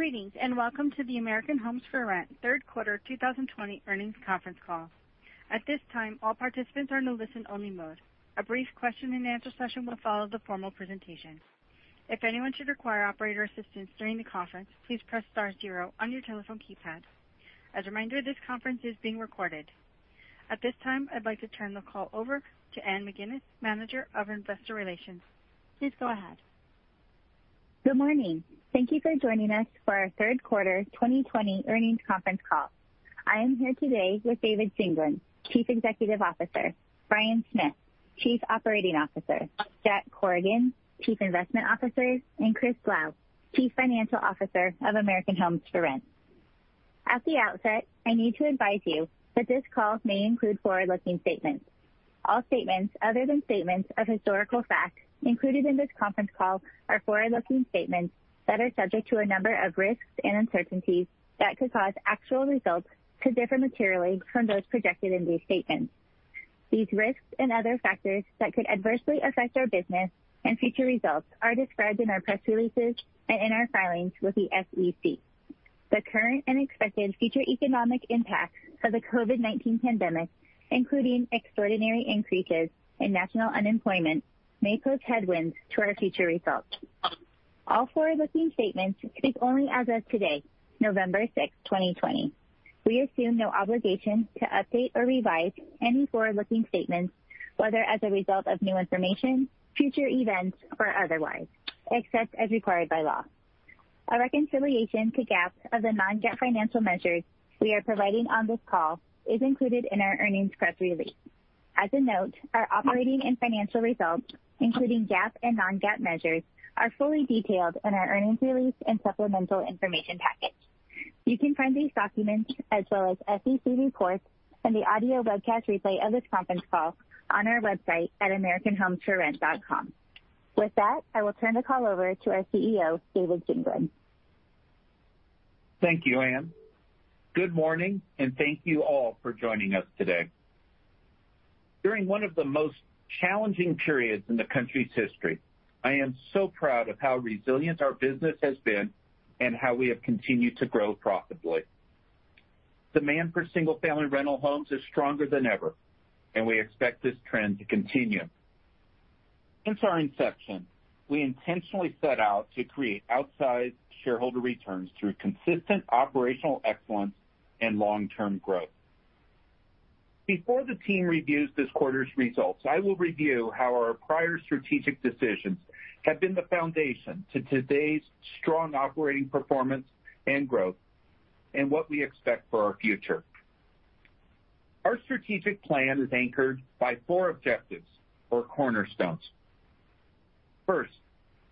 Greetings, and welcome to the American Homes 4 Rent third quarter 2020 earnings conference call. At this time, I'd like to turn the call over to Anne McGinnis, Manager of Investor Relations. Please go ahead. Good morning. Thank you for joining us for our third quarter 2020 earnings conference call. I am here today with David Singelyn, Chief Executive Officer, Bryan Smith, Chief Operating Officer, Jack Corrigan, Chief Investment Officer, and Christopher Lau, Chief Financial Officer of American Homes 4 Rent. At the outset, I need to advise you that this call may include forward-looking statements. All statements other than statements of historical fact included in this conference call are forward-looking statements that are subject to a number of risks and uncertainties that could cause actual results to differ materially from those projected in these statements. These risks and other factors that could adversely affect our business and future results are described in our press releases and in our filings with the SEC. The current and expected future economic impacts of the COVID-19 pandemic, including extraordinary increases in national unemployment, may pose headwinds to our future results. All forward-looking statements speak only as of today, November 6, 2020. We assume no obligation to update or revise any forward-looking statements, whether as a result of new information, future events, or otherwise, except as required by law. A reconciliation to GAAP of the non-GAAP financial measures we are providing on this call is included in our earnings press release. As a note, our operating and financial results, including GAAP and non-GAAP measures, are fully detailed in our earnings release and supplemental information package. You can find these documents, as well as SEC reports and the audio webcast replay of this conference call on our website at americanhomes4rent.com. With that, I will turn the call over to our CEO, David Singelyn. Thank you, Anne. Good morning, and thank you all for joining us today. During one of the most challenging periods in the country's history, I am so proud of how resilient our business has been and how we have continued to grow profitably. Demand for single-family rental homes is stronger than ever, and we expect this trend to continue. Since our inception, we intentionally set out to create outsized shareholder returns through consistent operational excellence and long-term growth. Before the team reviews this quarter's results, I will review how our prior strategic decisions have been the foundation to today's strong operating performance and growth and what we expect for our future. Our strategic plan is anchored by four objectives or cornerstones. First,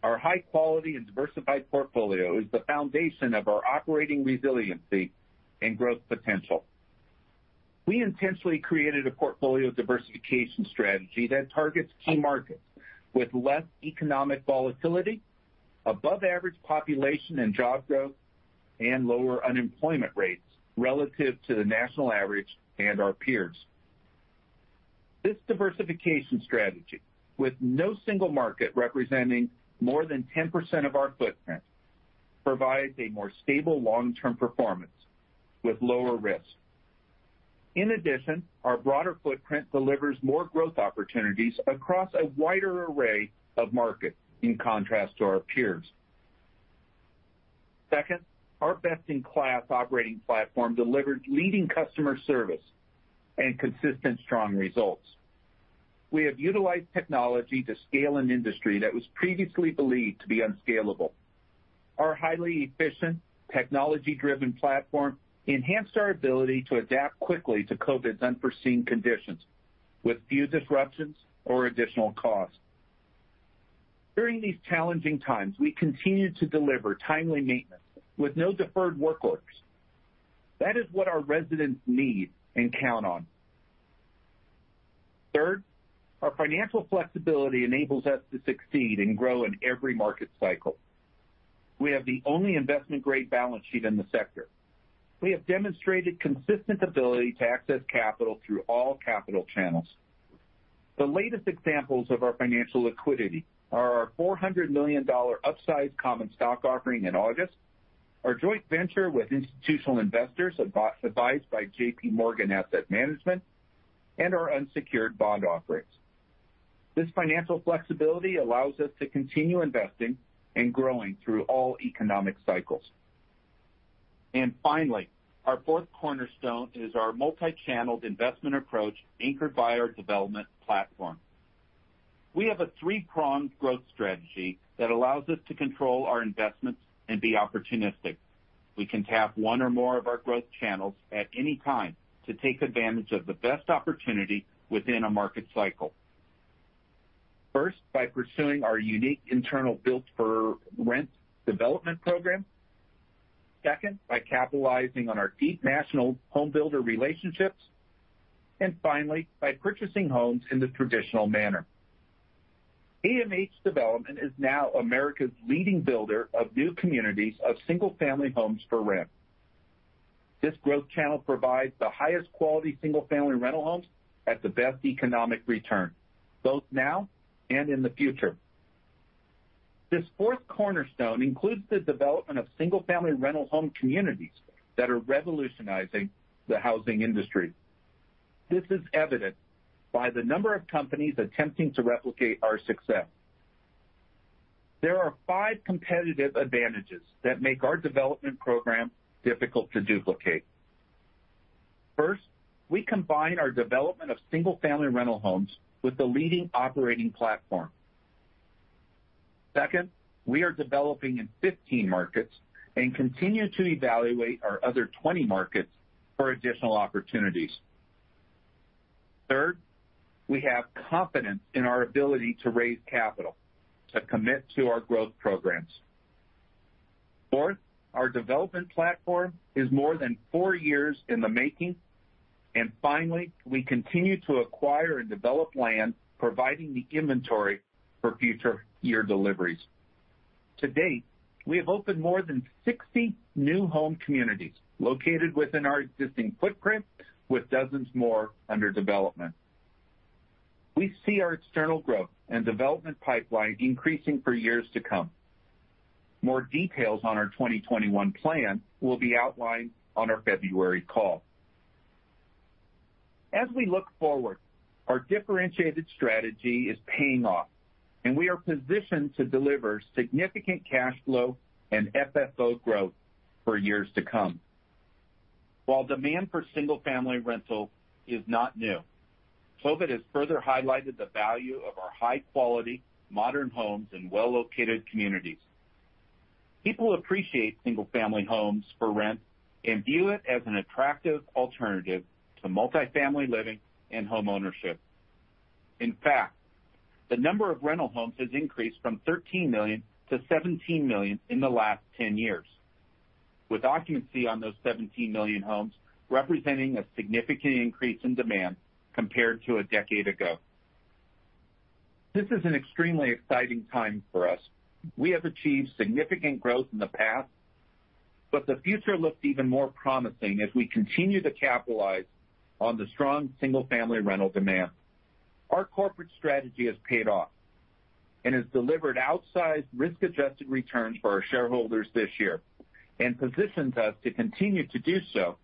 our high-quality and diversified portfolio is the foundation of our operating resiliency and growth potential. We intentionally created a portfolio diversification strategy that targets key markets with less economic volatility, above-average population and job growth, and lower unemployment rates relative to the national average and our peers. This diversification strategy, with no single market representing more than 10% of our footprint, provides a more stable long-term performance with lower risk. In addition, our broader footprint delivers more growth opportunities across a wider array of markets in contrast to our peers. Second, our best-in-class operating platform delivers leading customer service and consistent strong results. We have utilized technology to scale an industry that was previously believed to be unscalable. Our highly efficient, technology-driven platform enhanced our ability to adapt quickly to COVID's unforeseen conditions with few disruptions or additional costs. During these challenging times, we continued to deliver timely maintenance with no deferred work orders. That is what our residents need and count on. Our financial flexibility enables us to succeed and grow in every market cycle. We have the only investment-grade balance sheet in the sector. We have demonstrated consistent ability to access capital through all capital channels. The latest examples of our financial liquidity are our $400 million upsized common stock offering in August, our joint venture with institutional investors advised by J.P. Morgan Asset Management, and our unsecured bond offerings. This financial flexibility allows us to continue investing and growing through all economic cycles. Finally, our fourth cornerstone is our multi-channeled investment approach anchored by our development platform. We have a three-pronged growth strategy that allows us to control our investments and be opportunistic. We can tap one or more of our growth channels at any time to take advantage of the best opportunity within a market cycle. By pursuing our unique internal Built-for-Rent development program. Second, by capitalizing on our deep national home builder relationships. Finally, by purchasing homes in the traditional manner. AMH Development is now America's leading builder of new communities of single-family homes for rent. This growth channel provides the highest quality single-family rental homes at the best economic return, both now and in the future. This fourth cornerstone includes the development of single-family rental home communities that are revolutionizing the housing industry. This is evident by the number of companies attempting to replicate our success. There are five competitive advantages that make our development program difficult to duplicate. First, we combine our development of single-family rental homes with the leading operating platform. Second, we are developing in 15 markets and continue to evaluate our other 20 markets for additional opportunities. Third, we have confidence in our ability to raise capital to commit to our growth programs. Fourth, our development platform is more than four years in the making. Finally, we continue to acquire and develop land, providing the inventory for future year deliveries. To date, we have opened more than 60 new home communities located within our existing footprint, with dozens more under development. We see our external growth and development pipeline increasing for years to come. More details on our 2021 plan will be outlined on our February call. As we look forward, our differentiated strategy is paying off, and we are positioned to deliver significant cash flow and FFO growth for years to come. While demand for single-family rental is not new, COVID has further highlighted the value of our high-quality, modern homes and well-located communities. People appreciate single-family homes for rent and view it as an attractive alternative to multifamily living and homeownership. In fact, the number of rental homes has increased from 13 million to 17 million in the last 10 years, with occupancy on those 17 million homes representing a significant increase in demand compared to a decade ago. This is an extremely exciting time for us. We have achieved significant growth in the past, but the future looks even more promising as we continue to capitalize on the strong single-family rental demand. Our corporate strategy has paid off and has delivered outsized risk-adjusted returns for our shareholders this year, and positions us to continue to do so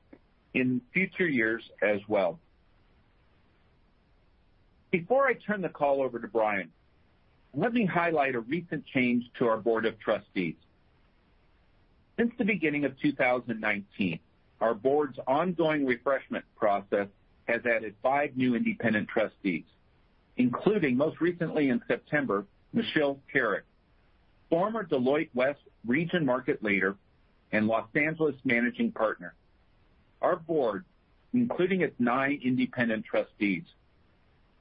in future years as well. Before I turn the call over to Bryan, let me highlight a recent change to our Board of Trustees. Since the beginning of 2019, our board's ongoing refreshment process has added five new independent trustees, including most recently in September, Michelle Kerrick, former Deloitte West region market leader and Los Angeles managing partner. Our board, including its nine independent trustees,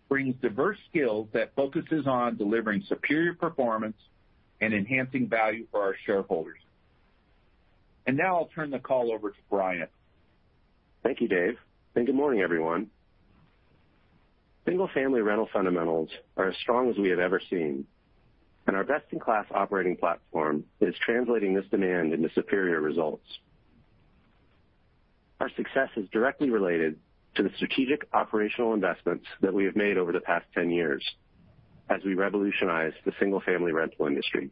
brings diverse skills that focuses on delivering superior performance and enhancing value for our shareholders. Now I'll turn the call over to Bryan. Thank you, Dave, and good morning, everyone. Single-family rental fundamentals are as strong as we have ever seen, and our best-in-class operating platform is translating this demand into superior results. Our success is directly related to the strategic operational investments that we have made over the past 10 years as we revolutionized the single-family rental industry.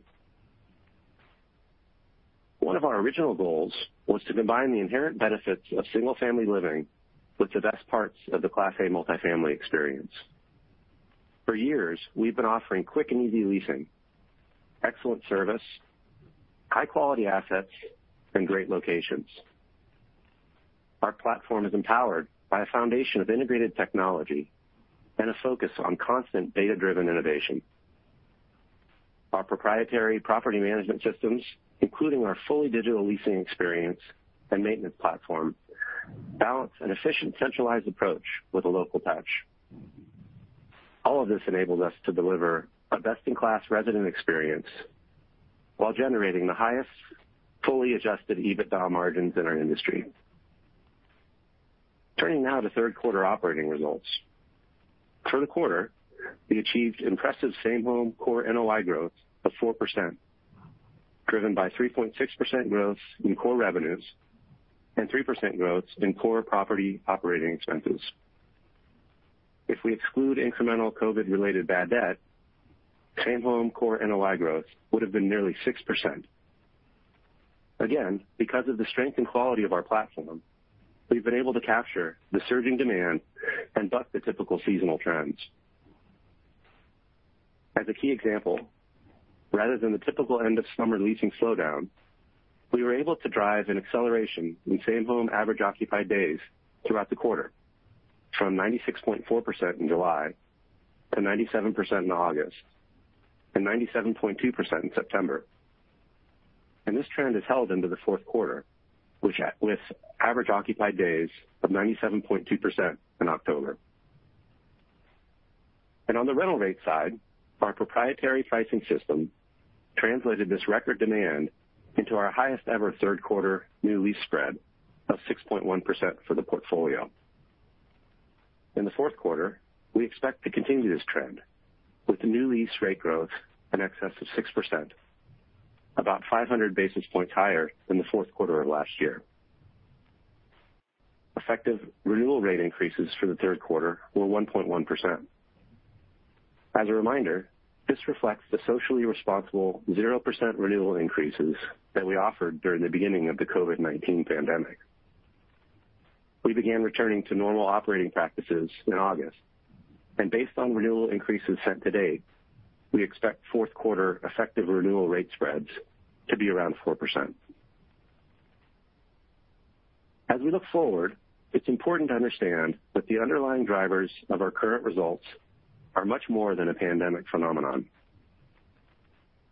One of our original goals was to combine the inherent benefits of single-family living with the best parts of the Class A multifamily experience. For years, we've been offering quick and easy leasing, excellent service, high-quality assets, and great locations. Our platform is empowered by a foundation of integrated technology and a focus on constant data-driven innovation. Our proprietary property management systems, including our fully digital leasing experience and maintenance platform, balance an efficient centralized approach with a local touch. All of this enables us to deliver a best-in-class resident experience while generating the highest fully adjusted EBITDA margins in our industry. Turning now to third quarter operating results. For the quarter, we achieved impressive Same-Home Core NOI growth of 4%, driven by 3.6% growth in core revenues and 3% growth in core property operating expenses. If we exclude incremental COVID-related bad debt, Same-Home Core NOI growth would have been nearly 6%. Again, because of the strength and quality of our platform, we've been able to capture the surging demand and buck the typical seasonal trends. As a key example, rather than the typical end-of-summer leasing slowdown, we were able to drive an acceleration in Same-Home average occupied days throughout the quarter, from 96.4% in July to 97% in August and 97.2% in September. This trend has held into the fourth quarter, with average occupied days of 97.2% in October. On the rental rate side, our proprietary pricing system translated this record demand into our highest-ever third quarter new lease spread of 6.1% for the portfolio. In the fourth quarter, we expect to continue this trend with the new lease rate growth in excess of 6%, about 500 basis points higher than the fourth quarter of last year. Effective renewal rate increases for the third quarter were 1.1%. As a reminder, this reflects the socially responsible zero percent renewal increases that we offered during the beginning of the COVID-19 pandemic. We began returning to normal operating practices in August, and based on renewal increases sent to date, we expect fourth quarter effective renewal rate spreads to be around 4%. As we look forward, it's important to understand that the underlying drivers of our current results are much more than a pandemic phenomenon.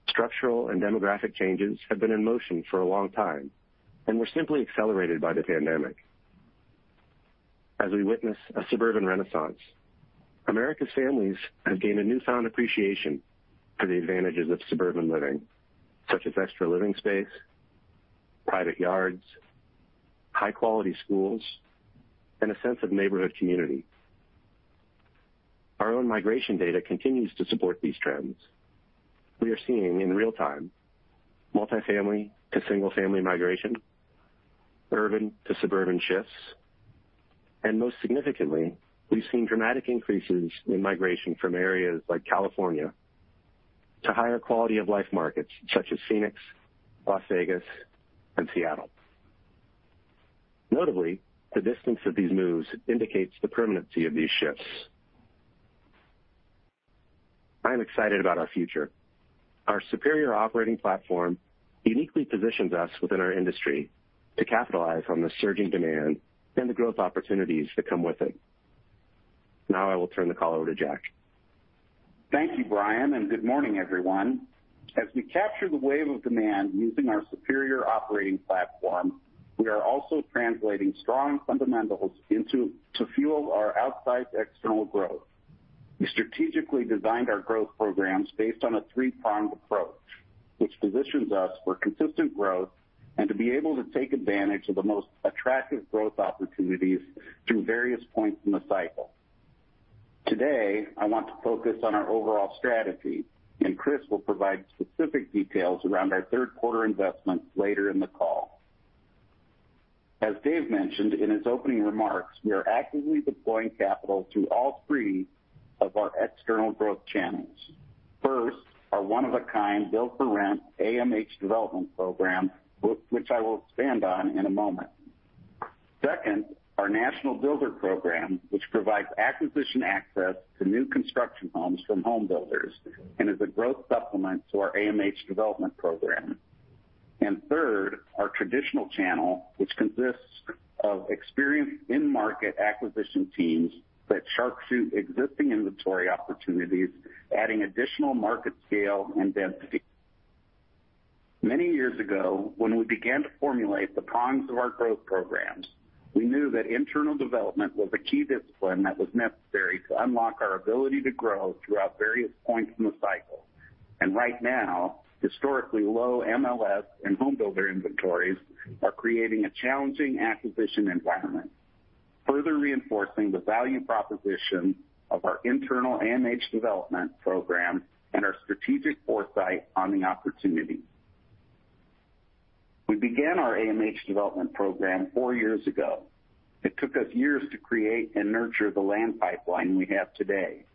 Structural and demographic changes have been in motion for a long time and were simply accelerated by the pandemic. As we witness a suburban renaissance, America's families have gained a newfound appreciation for the advantages of suburban living, such as extra living space, private yards, high-quality schools, and a sense of neighborhood community. Our own migration data continues to support these trends. We are seeing in real-time multifamily to single-family migration, urban to suburban shifts, and most significantly, we've seen dramatic increases in migration from areas like California to higher quality of life markets such as Phoenix, Las Vegas, and Seattle. Notably, the distance of these moves indicates the permanency of these shifts. I am excited about our future. Our superior operating platform uniquely positions us within our industry to capitalize on the surging demand and the growth opportunities that come with it. I will turn the call over to Jack. Thank you, Bryan, and good morning, everyone. As we capture the wave of demand using our superior operating platform, we are also translating strong fundamentals to fuel our outsized external growth. We strategically designed our growth programs based on a three-pronged approach, which positions us for consistent growth and to be able to take advantage of the most attractive growth opportunities through various points in the cycle. Today, I want to focus on our overall strategy. Chris will provide specific details around our third quarter investments later in the call. As Dave mentioned in his opening remarks, we are actively deploying capital through all three of our external growth channels. First, our one-of-a-kind build-for-rent AMH Development program, which I will expand on in a moment. Second, our National Builder Program, which provides acquisition access to new construction homes from home builders and is a growth supplement to our AMH Development program. Third, our traditional channel, which consists of experienced in-market acquisition teams that sharpshoot existing inventory opportunities, adding additional market scale and density. Many years ago, when we began to formulate the prongs of our growth programs, we knew that internal development was a key discipline that was necessary to unlock our ability to grow throughout various points in the cycle. Right now, historically low MLS and home builder inventories are creating a challenging acquisition environment, further reinforcing the value proposition of our internal AMH Development program and our strategic foresight on the opportunity. We began our AMH Development program four years ago. It took us years to create and nurture the land pipeline we have today.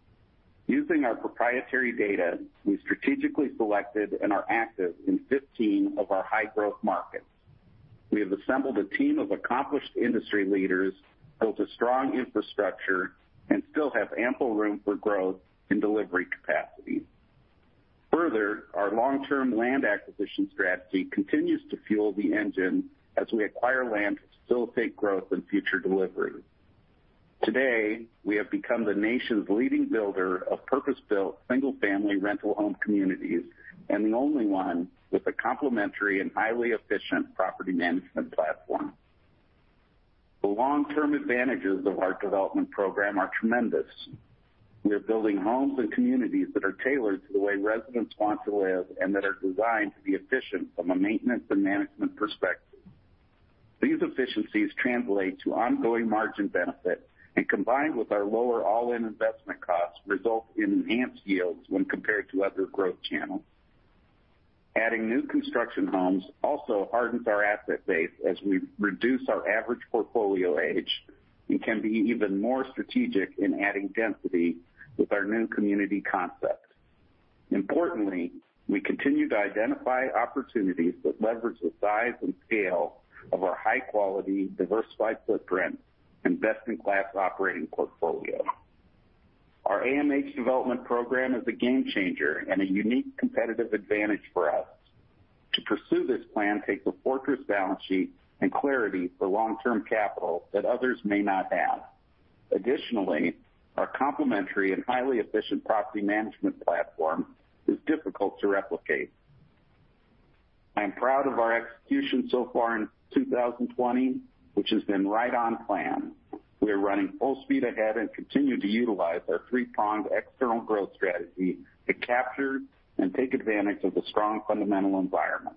Using our proprietary data, we strategically selected and are active in 15 of our high-growth markets. We have assembled a team of accomplished industry leaders, built a strong infrastructure, and still have ample room for growth and delivery capacity. Further, our long-term land acquisition strategy continues to fuel the engine as we acquire land to facilitate growth and future delivery. Today, we have become the nation's leading builder of purpose-built single-family rental home communities and the only one with a complimentary and highly efficient property management platform. The long-term advantages of our development program are tremendous. We are building homes and communities that are tailored to the way residents want to live and that are designed to be efficient from a maintenance and management perspective. These efficiencies translate to ongoing margin benefit, and combined with our lower all-in investment costs, result in enhanced yields when compared to other growth channels. Adding new construction homes also hardens our asset base as we reduce our average portfolio age and can be even more strategic in adding density with our new community concepts. Importantly, we continue to identify opportunities that leverage the size and scale of our high-quality, diversified footprint and best-in-class operating portfolio. Our AMH Development program is a game changer and a unique competitive advantage for us. To pursue this plan takes a fortress balance sheet and clarity for long-term capital that others may not have. Additionally, our complimentary and highly efficient property management platform is difficult to replicate. I am proud of our execution so far in 2020, which has been right on plan. We are running full speed ahead and continue to utilize our three-pronged external growth strategy to capture and take advantage of the strong fundamental environment.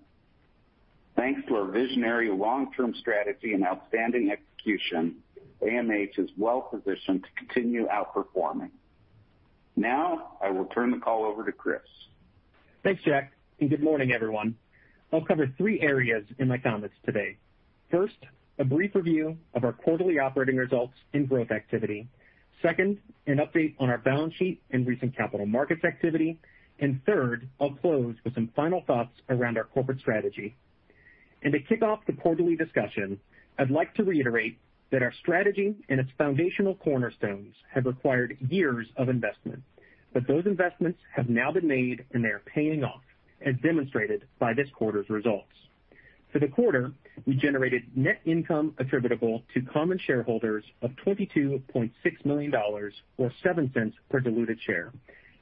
Thanks for our visionary long-term strategy and outstanding execution. AMH is well-positioned to continue outperforming. Now, I will turn the call over to Chris. Thanks, Jack. Good morning, everyone. I will cover three areas in my comments today. First, a brief review of our quarterly operating results and growth activity. Second, an update on our balance sheet and recent capital markets activity. Third, I will close with some final thoughts around our corporate strategy. To kick off the quarterly discussion, I would like to reiterate that our strategy and its foundational cornerstones have required years of investment, but those investments have now been made, and they are paying off, as demonstrated by this quarter's results. For the quarter, we generated net income attributable to common shareholders of $22.6 million, or $0.07 per diluted share.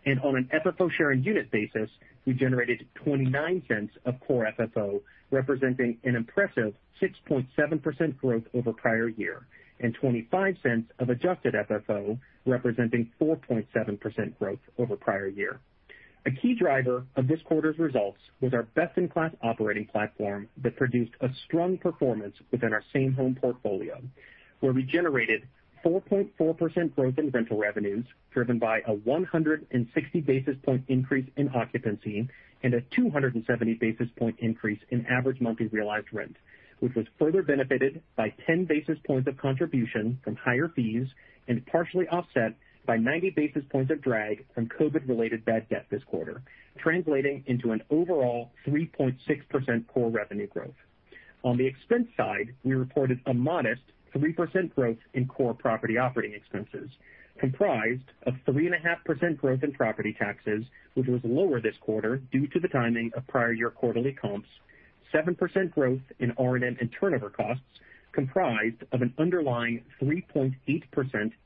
On an FFO share unit basis, we generated $0.29 of Core FFO, representing an impressive 6.7% growth over prior year, and $0.25 of Adjusted FFO, representing 4.7% growth over prior year. A key driver of this quarter's results was our best-in-class operating platform that produced a strong performance within our Same-Home portfolio, where we generated 4.4% growth in rental revenues, driven by a 160 basis points increase in occupancy and a 270 basis points increase in average monthly realized rent, which was further benefited by 10 basis points of contribution from higher fees and partially offset by 90 basis points of drag from COVID-19-related bad debt this quarter, translating into an overall 3.6% core revenue growth. On the expense side, we reported a modest 3% growth in core property operating expenses, comprised of 3.5% growth in property taxes, which was lower this quarter due to the timing of prior year quarterly comps, 7% growth in R&M and turnover costs, comprised of an underlying 3.8%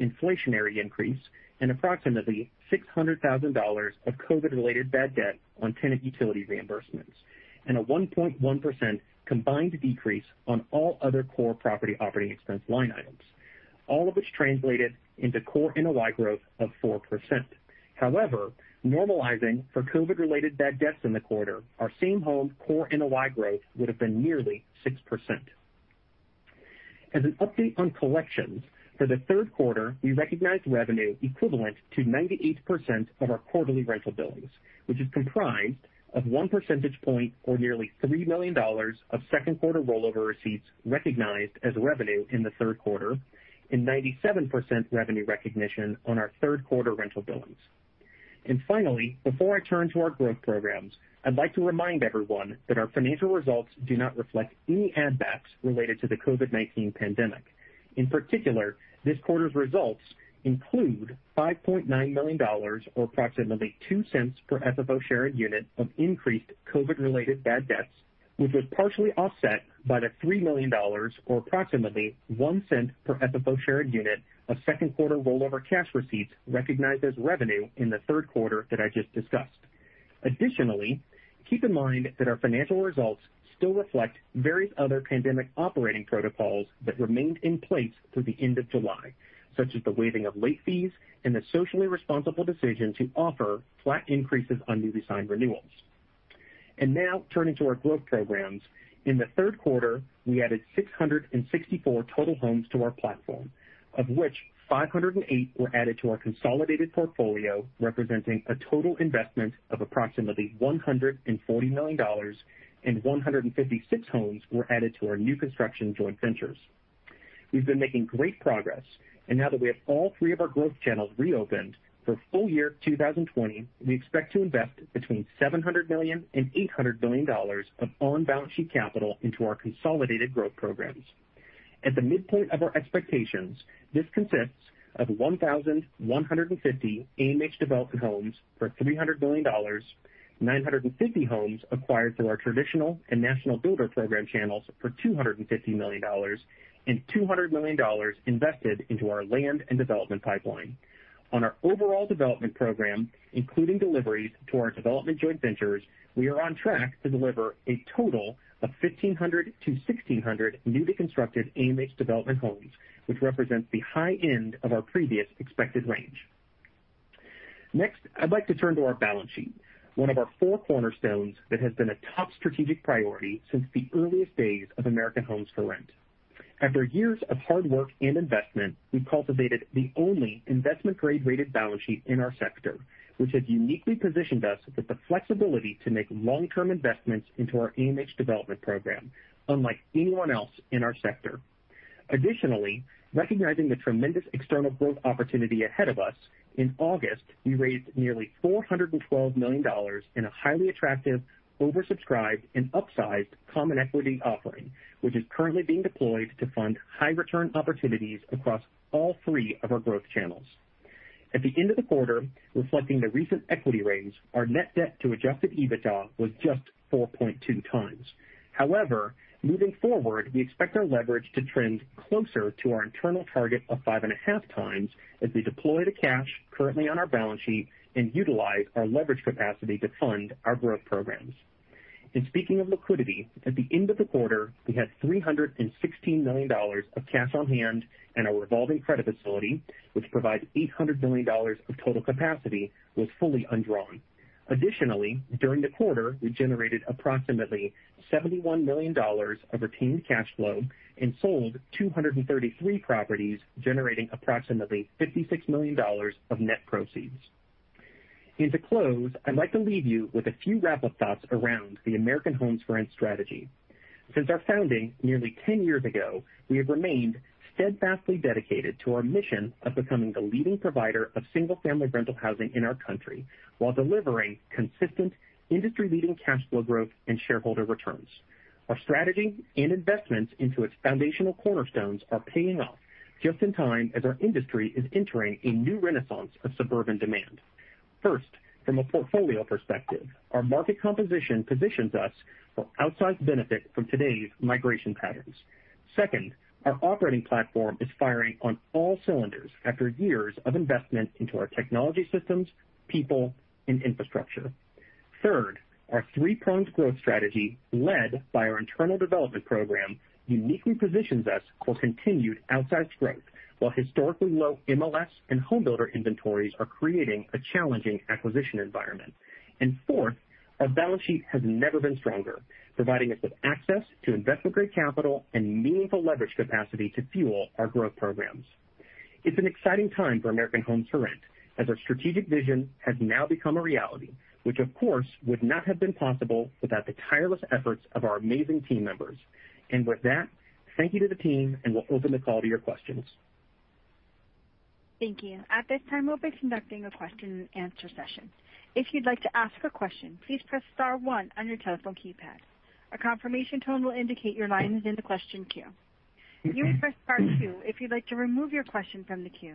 inflationary increase, and approximately $600,000 of COVID-19-related bad debt on tenant utility reimbursements, and a 1.1% combined decrease on all other core property operating expense line items, all of which translated into core NOI growth of 4%. However, normalizing for COVID-19-related bad debts in the quarter, our Same-Home core NOI growth would've been nearly 6%. As an update on collections, for the third quarter, we recognized revenue equivalent to 98% of our quarterly rental billings, which is comprised of one percentage point or nearly $3 million of second quarter rollover receipts recognized as revenue in the third quarter and 97% revenue recognition on our third quarter rental billings. Finally, before I turn to our growth programs, I would like to remind everyone that our financial results do not reflect any adverse effects related to the COVID-19 pandemic. In particular, this quarter's results include $5.9 million, or approximately $0.02 per FFO shared unit of increased COVID-related bad debts, which was partially offset by the $3 million, or approximately $0.01 per FFO shared unit of second quarter rollover cash receipts recognized as revenue in the third quarter that I just discussed. Additionally, keep in mind that our financial results still reflect various other pandemic operating protocols that remained in place through the end of July, such as the waiving of late fees and the socially responsible decision to offer flat increases on newly signed renewals. Now turning to our growth programs. In the third quarter, we added 664 total homes to our platform, of which 508 were added to our consolidated portfolio, representing a total investment of approximately $140 million, and 156 homes were added to our new construction joint ventures. We've been making great progress, and now that we have all three of our growth channels reopened, for full year 2020, we expect to invest between $700 million and $800 million of on-balance-sheet capital into our consolidated growth programs. At the midpoint of our expectations, this consists of 1,150 AMH Development homes for $300 million, 950 homes acquired through our traditional and National Builder Program channels for $250 million, and $200 million invested into our land and development pipeline. On our overall development program, including deliveries to our development joint ventures, we are on track to deliver a total of 1,500-1,600 newly constructed AMH Development homes, which represents the high end of our previous expected range. I would like to turn to our balance sheet, one of our four cornerstones that has been a top strategic priority since the earliest days of American Homes 4 Rent. After years of hard work and investment, we've cultivated the only investment-grade rated balance sheet in our sector, which has uniquely positioned us with the flexibility to make long-term investments into our AMH Development Program, unlike anyone else in our sector. Additionally, recognizing the tremendous external growth opportunity ahead of us, in August, we raised nearly $412 million in a highly attractive, oversubscribed, and upsized common equity offering, which is currently being deployed to fund high-return opportunities across all three of our growth channels. At the end of the quarter, reflecting the recent equity raise, our net debt to adjusted EBITDA was just 4.2 times. However, moving forward, we expect our leverage to trend closer to our internal target of 5.5 times as we deploy the cash currently on our balance sheet and utilize our leverage capacity to fund our growth programs. Speaking of liquidity, at the end of the quarter, we had $316 million of cash on hand, and our revolving credit facility, which provides $800 million of total capacity, was fully undrawn. During the quarter, we generated approximately $71 million of retained cash flow and sold 233 properties, generating approximately $56 million of net proceeds. To close, I'd like to leave you with a few rapid thoughts around the American Homes 4 Rent strategy. Since our founding nearly 10 years ago, we have remained steadfastly dedicated to our mission of becoming the leading provider of single-family rental housing in our country while delivering consistent industry-leading cash flow growth and shareholder returns. Our strategy and investments into its foundational cornerstones are paying off just in time as our industry is entering a new renaissance of suburban demand. First, from a portfolio perspective, our market composition positions us for outsized benefit from today's migration patterns. Second, our operating platform is firing on all cylinders after years of investment into our technology systems, people, and infrastructure. Third, our three-pronged growth strategy, led by our internal development program, uniquely positions us for continued outsized growth, while historically low MLS and home builder inventories are creating a challenging acquisition environment. Fourth, our balance sheet has never been stronger, providing us with access to investment-grade capital and meaningful leverage capacity to fuel our growth programs. It is an exciting time for American Homes 4 Rent, as our strategic vision has now become a reality. Of course, would not have been possible without the tireless efforts of our amazing team members. With that, thank you to the team, and we will open the call to your questions. Thank you. At this time, we'll be conducting a question and answer session. If you would like to ask a question, please press star one on your telephone keypad. A confirmation tone will indicate your line is in the question queue. You may press star two if you would like to remove your question from the queue.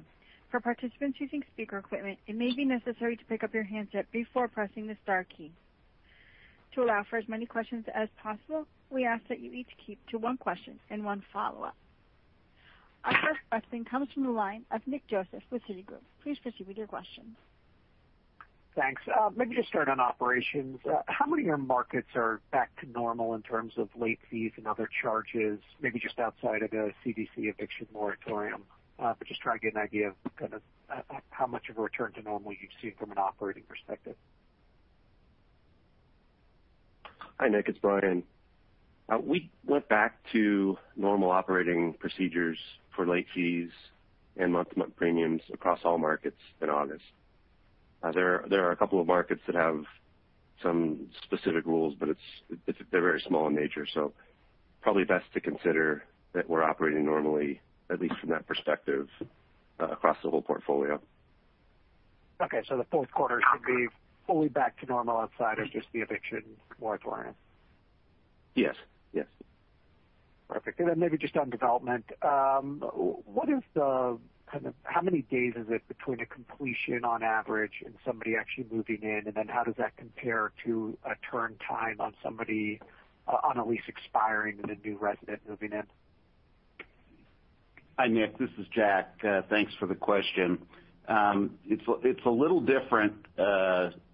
For participants using speaker equipment, it may be necessary to pick up your handset before pressing the star key. To allow for as many questions as possible, we ask that you each keep to one question and one follow-up. Our first question comes from the line of Nicholas Joseph with Citigroup. Please proceed with your question. Thanks. Maybe just start on operations. How many of your markets are back to normal in terms of late fees and other charges? Maybe just outside of the CDC eviction moratorium, just try to get an idea of kind of how much of a return to normal you've seen from an operating perspective. Hi, Nick, it's Bryan. We went back to normal operating procedures for late fees and month-to-month premiums across all markets in August. There are a couple of markets that have some specific rules, but they're very small in nature, so probably best to consider that we are operating normally, at least from that perspective, across the whole portfolio. Okay, the fourth quarter should be fully back to normal outside of just the eviction moratorium. Yes. Perfect. Maybe just on development. How many days is it between a completion on average and somebody actually moving in? How does that compare to a turn time on a lease expiring and a new resident moving in? Hi, Nick. This is Jack. Thanks for the question. It's a little different.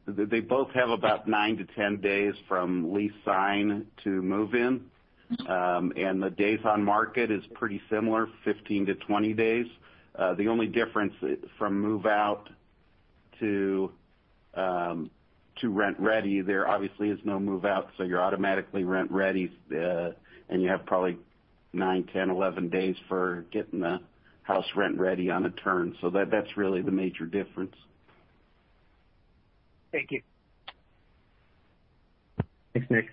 They both have about nine to 10 days from lease sign to move-in. The days on market is pretty similar, 15 to 20 days. The only difference from move-out to rent-ready, there obviously is no move-out, so you're automatically rent-ready, and you have probably nine, 10, 11 days for getting the house rent-ready on a turn. That's really the major difference. Thank you. Thanks, Nick.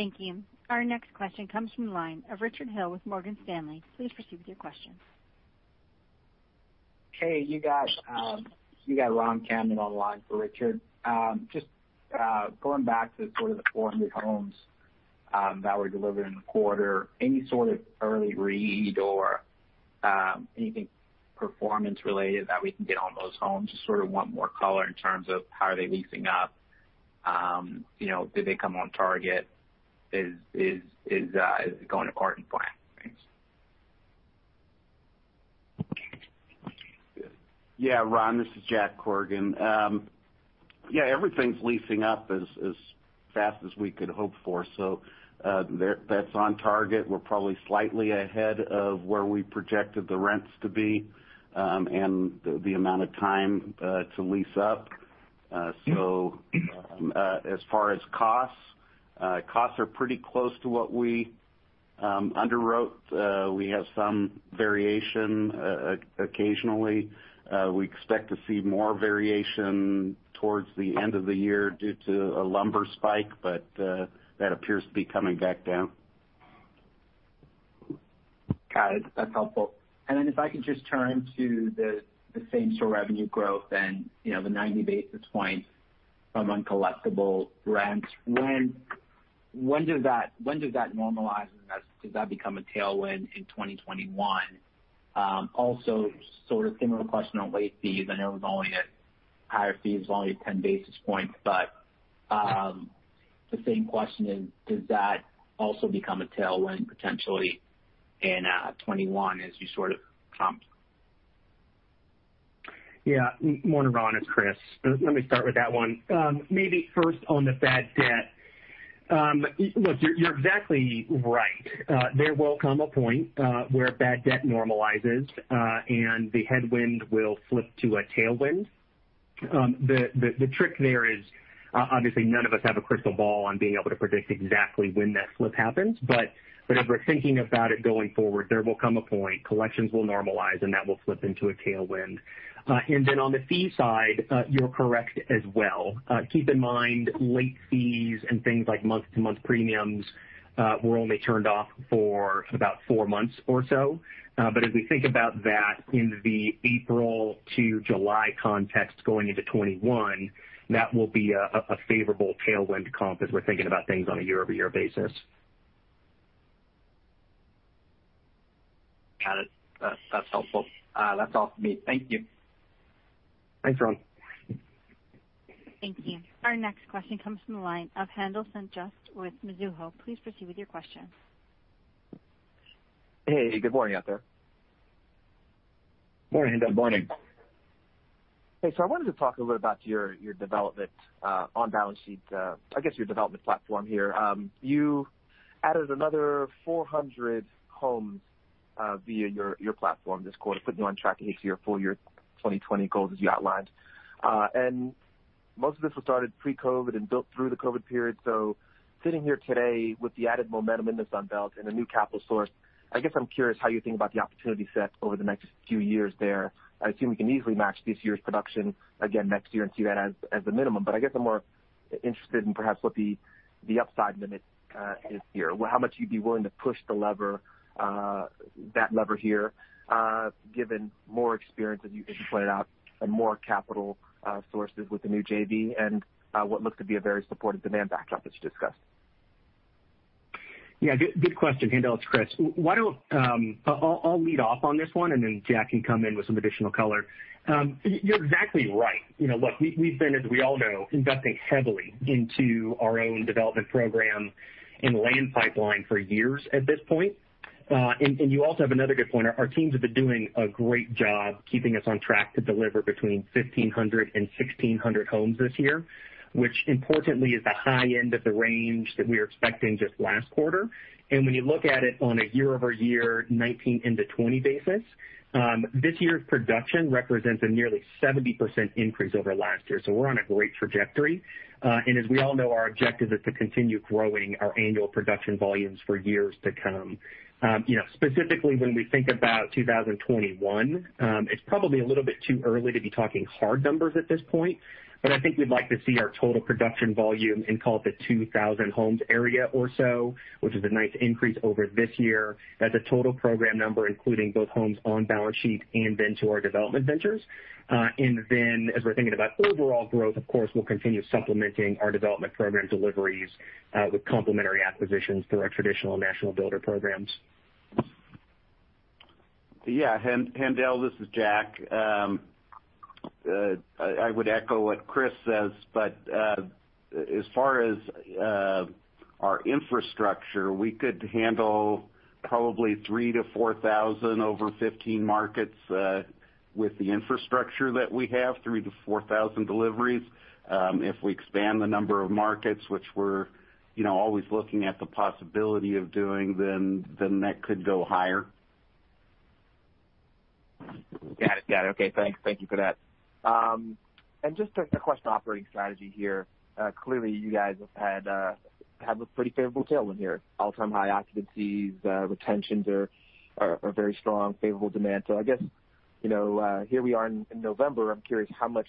Thank you. Our next question comes from the line of Richard Hill with Morgan Stanley. Please proceed with your question. Hey, you got Ron on the line for Richard. Going back to sort of the 400 homes that were delivered in the quarter, any sort of early read or anything performance-related that we can get on those homes? Sort of want more color in terms of how are they leasing up. Did they come on target? Is it going according to plan? Thanks. Yeah. Ron, this is Jack Corrigan. Yeah, everything's leasing up as fast as we could hope for, so that's on target. We're probably slightly ahead of where we projected the rents to be, and the amount of time to lease up. As far as costs are pretty close to what we underwrote. We have some variation occasionally. We expect to see more variation towards the end of the year due to a lumber spike, but that appears to be coming back down. Got it. That's helpful. If I could just turn to the Same-Home revenue growth and the 90 basis points from uncollectible rents. When does that normalize? Does that become a tailwind in 2021? Sort of similar question on late fees. I know the higher fee is only 10 basis points, the same question is, does that also become a tailwind potentially in 2021 as you sort of comp? Morning, Ron, it's Chris. Let me start with that one. Maybe first on the bad debt. You're exactly right. There will come a point where bad debt normalizes, and the headwind will flip to a tailwind. The trick there is, obviously none of us have a crystal ball on being able to predict exactly when that flip happens. As we're thinking about it going forward, there will come a point, collections will normalize, and that will flip into a tailwind. On the fee side, you're correct as well. Keep in mind, late fees and things like month-to-month premiums were only turned off for about four months or so. As we think about that in the April to July context going into 2021, that will be a favorable tailwind comp as we're thinking about things on a year-over-year basis. Got it. That's helpful. That's all for me. Thank you. Thanks, Ron. Thank you. Our next question comes from the line of Haendel St. Juste with Mizuho. Please proceed with your question. Hey, good morning out there. Morning, Haendel. Morning. Hey, I wanted to talk a little about your development on balance sheet, I guess your development platform here. You added another 400 homes via your platform this quarter, putting you on track to hit your full year 2020 goals as you outlined. Most of this was started pre-COVID and built through the COVID period. Sitting here today with the added momentum in the Sun Belt and a new capital source, I guess I'm curious how you think about the opportunity set over the next few years there. I assume we can easily match this year's production again next year and see that as the minimum. I guess I'm more interested in perhaps what the upside limit is here. How much you'd be willing to push that lever here given more experience as you play it out and more capital sources with the new JV and what looks to be a very supportive demand backdrop as you discussed. Yeah. Good question, Haendel. It's Chris. I will lead off on this one, and then Jack can come in with some additional color. You're exactly right. Look, we've been, as we all know, investing heavily into our own development program and land pipeline for years at this point. You also have another good point. Our teams have been doing a great job keeping us on track to deliver between 1,500 and 1,600 homes this year, which importantly is the high end of the range that we were expecting just last quarter. When you look at it on a year-over-year 2019 into 2020 basis, this year's production represents a nearly 70% increase over last year. We're on a great trajectory. As we all know, our objective is to continue growing our annual production volumes for years to come. Specifically when we think about 2021, it's probably a little bit too early to be talking hard numbers at this point, but I think we'd like to see our total production volume in call it the 2,000 homes area or so, which is a nice increase over this year. That's a total program number, including both homes on balance sheet and then to our development ventures. As we're thinking about overall growth, of course, we'll continue supplementing our development program deliveries with complementary acquisitions through our traditional National Builder Program. Yeah. Haendel, this is Jack. I would echo what Chris says. As far as our infrastructure, we could handle probably 3,000 to 4,000 over 15 markets with the infrastructure that we have, 3,000 to 4,000 deliveries. If we expand the number of markets, which we're always looking at the possibility of doing, that could go higher. Got it. Okay, thank you for that. Just a question on operating strategy here. Clearly you guys have had a pretty favorable tailwind here. All-time high occupancies, retentions are very strong, favorable demand. I guess, here we are in November. I am curious how much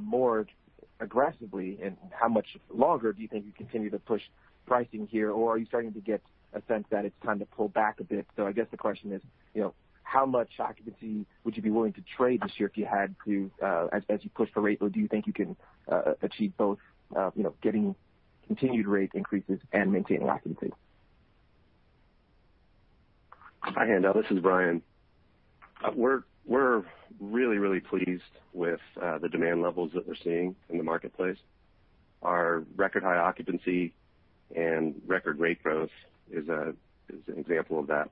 more aggressively and how much longer do you think you continue to push pricing here? Are you starting to get a sense that it's time to pull back a bit? I guess the question is, how much occupancy would you be willing to trade this year as you push the rate? Do you think you can achieve both getting continued rate increases and maintaining occupancy? Hi, Haendel. This is Bryan. We're really pleased with the demand levels that we're seeing in the marketplace. Our record-high occupancy and record rate growth is an example of that.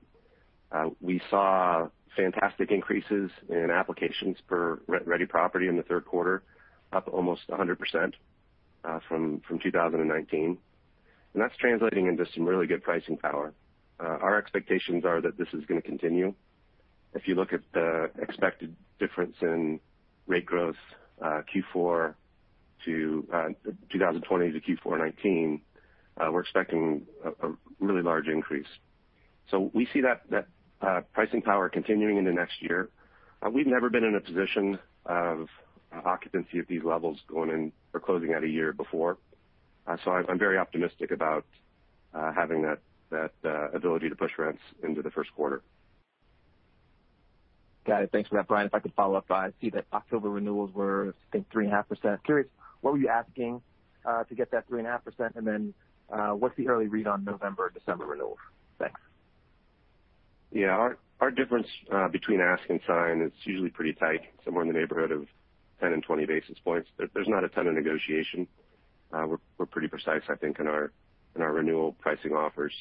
We saw fantastic increases in applications per rent-ready property in the third quarter, up almost 100% from 2019, and that's translating into some really good pricing power. Our expectations are that this is going to continue. If you look at the expected difference in rate growth 2020 to Q4 2019, we are expecting a really large increase. We see that pricing power continuing into next year. We've never been in a position of occupancy at these levels going in or closing out a year before. I am very optimistic about having that ability to push rents into the first quarter. Got it. Thanks for that, Bryan. If I could follow up, I see that October renewals were, I think, 3.5%. Curious, what were you asking to get that 3.5%, and then what's the early read on November, December renewals? Thanks. Our difference between ask and sign is usually pretty tight, somewhere in the neighborhood of 10 and 20 basis points. There's not a ton of negotiation. We're pretty precise, I think, in our renewal pricing offers.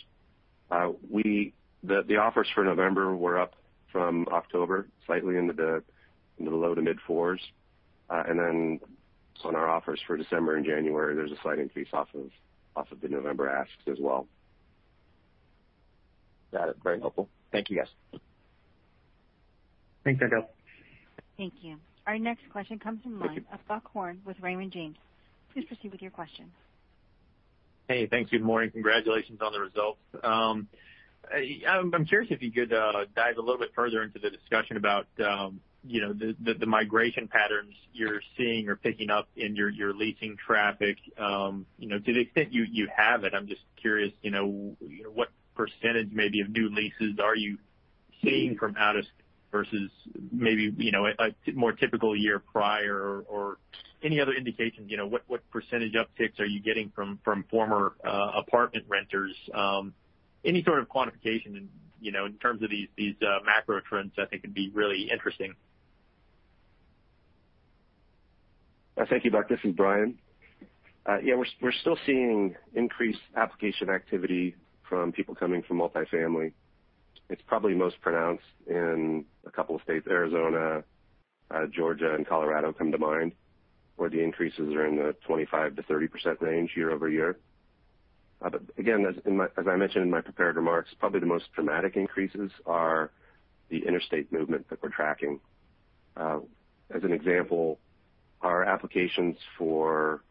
The offers for November were up from October slightly into the low to mid fours. On our offers for December and January, there's a slight increase off of the November asks as well. Got it. Very helpful. Thank you, guys. Thanks, Haendel. Thank you. Our next question comes from the line of Buck Horne with Raymond James. Please proceed with your question. Hey, thanks. Good morning. Congratulations on the results. I'm curious if you could dive a little bit further into the discussion about the migration patterns you're seeing or picking up in your leasing traffic. To the extent you have it, I'm just curious, what percentage, maybe, of new leases are you seeing from out-of-state versus maybe a more typical year prior or any other indications. What percentage upticks are you getting from former apartment renters? Any sort of quantification in terms of these macro trends, I think, would be really interesting. Thank you, Buck. This is Bryan. Yeah, we're still seeing increased application activity from people coming from multi-family. It's probably most pronounced in a couple of states. Arizona, Georgia, and Colorado come to mind, where the increases are in the 25% to 30% range year-over-year. Again, as I mentioned in my prepared remarks, probably the most dramatic increases are the interstate movement that we're tracking. As an example, our applications for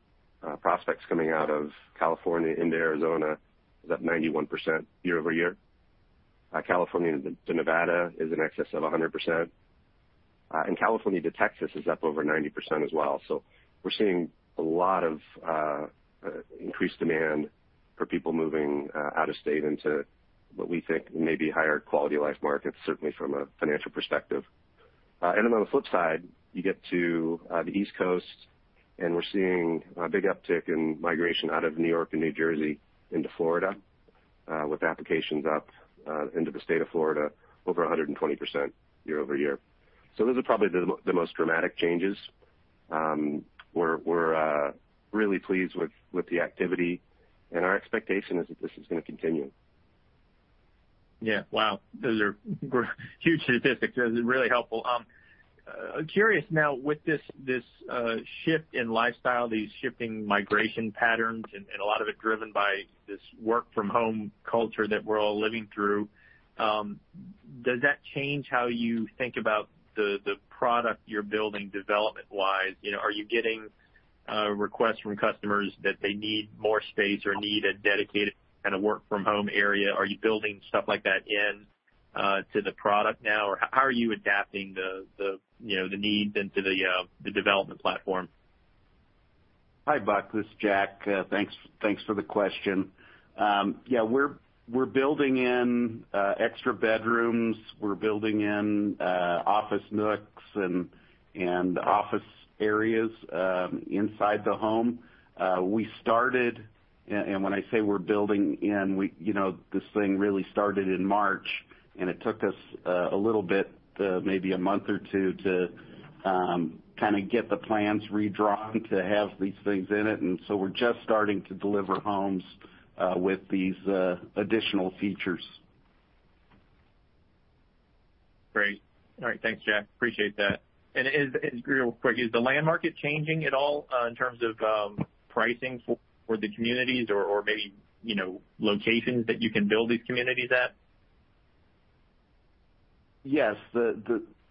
prospects coming out of California into Arizona is up 91% year-over-year. California to Nevada is in excess of 100%, and California to Texas is up over 90% as well. We're seeing a lot of increased demand for people moving out of state into what we think may be higher quality of life markets, certainly from a financial perspective. On the flip side, you get to the East Coast, and we're seeing a big uptick in migration out of New York and New Jersey into Florida, with applications up into the state of Florida over 120% year-over-year. Those are probably the most dramatic changes. We're really pleased with the activity, and our expectation is that this is going to continue. Yeah. Wow. Those are huge statistics. Those are really helpful. I'm curious now with this shift in lifestyle, these shifting migration patterns, and a lot of it driven by this work from home culture that we're all living through, does that change how you think about the product you're building development-wise? Are you getting requests from customers that they need more space or need a dedicated kind of work from home area? Are you building stuff like that into the product now? How are you adapting the needs into the development platform? Hi, Buck. This is Jack. Thanks for the question. Yeah, we're building in extra bedrooms. We're building in office nooks and office areas inside the home. We started, and when I say we're building in, this thing really started in March, and it took us a little bit, maybe a month or two, to kind of get the plans redrawn to have these things in it. We're just starting to deliver homes with these additional features. Great. All right. Thanks, Jack. Appreciate that. Real quick, is the land market changing at all in terms of pricing for the communities or maybe locations that you can build these communities at? Yes.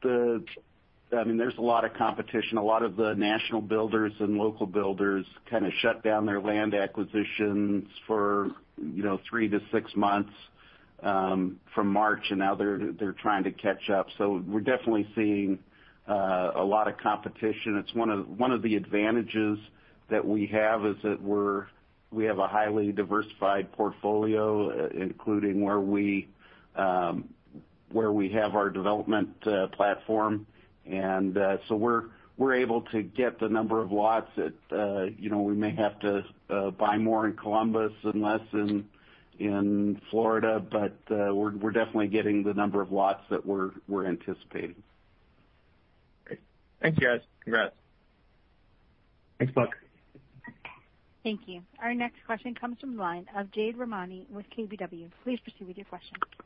There's a lot of competition. A lot of the national builders and local builders kind of shut down their land acquisitions for three to six months from March, now they're trying to catch up. We're definitely seeing a lot of competition. One of the advantages that we have is that we have a highly diversified portfolio, including where we have our development platform. We're able to get the number of lots that we may have to buy more in Columbus and less in Florida. We're definitely getting the number of lots that we're anticipating. Great. Thank you, guys. Congrats. Thanks, Buck. Thank you. Our next question comes from the line of Jade Rahmani with KBW. Please proceed with your question. Thank you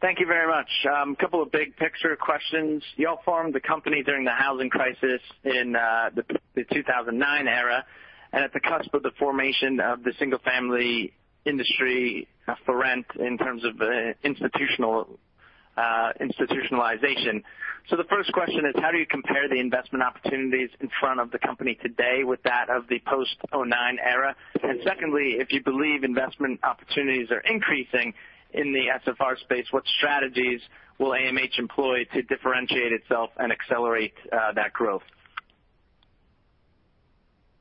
very much. A couple of big-picture questions. You all formed the company during the housing crisis in the 2009 era and at the cusp of the formation of the single-family industry for rent in terms of institutionalization. The first question is, how do you compare the investment opportunities in front of the company today with that of the post-2009 era? Secondly, if you believe investment opportunities are increasing in the SFR space, what strategies will AMH employ to differentiate itself and accelerate that growth?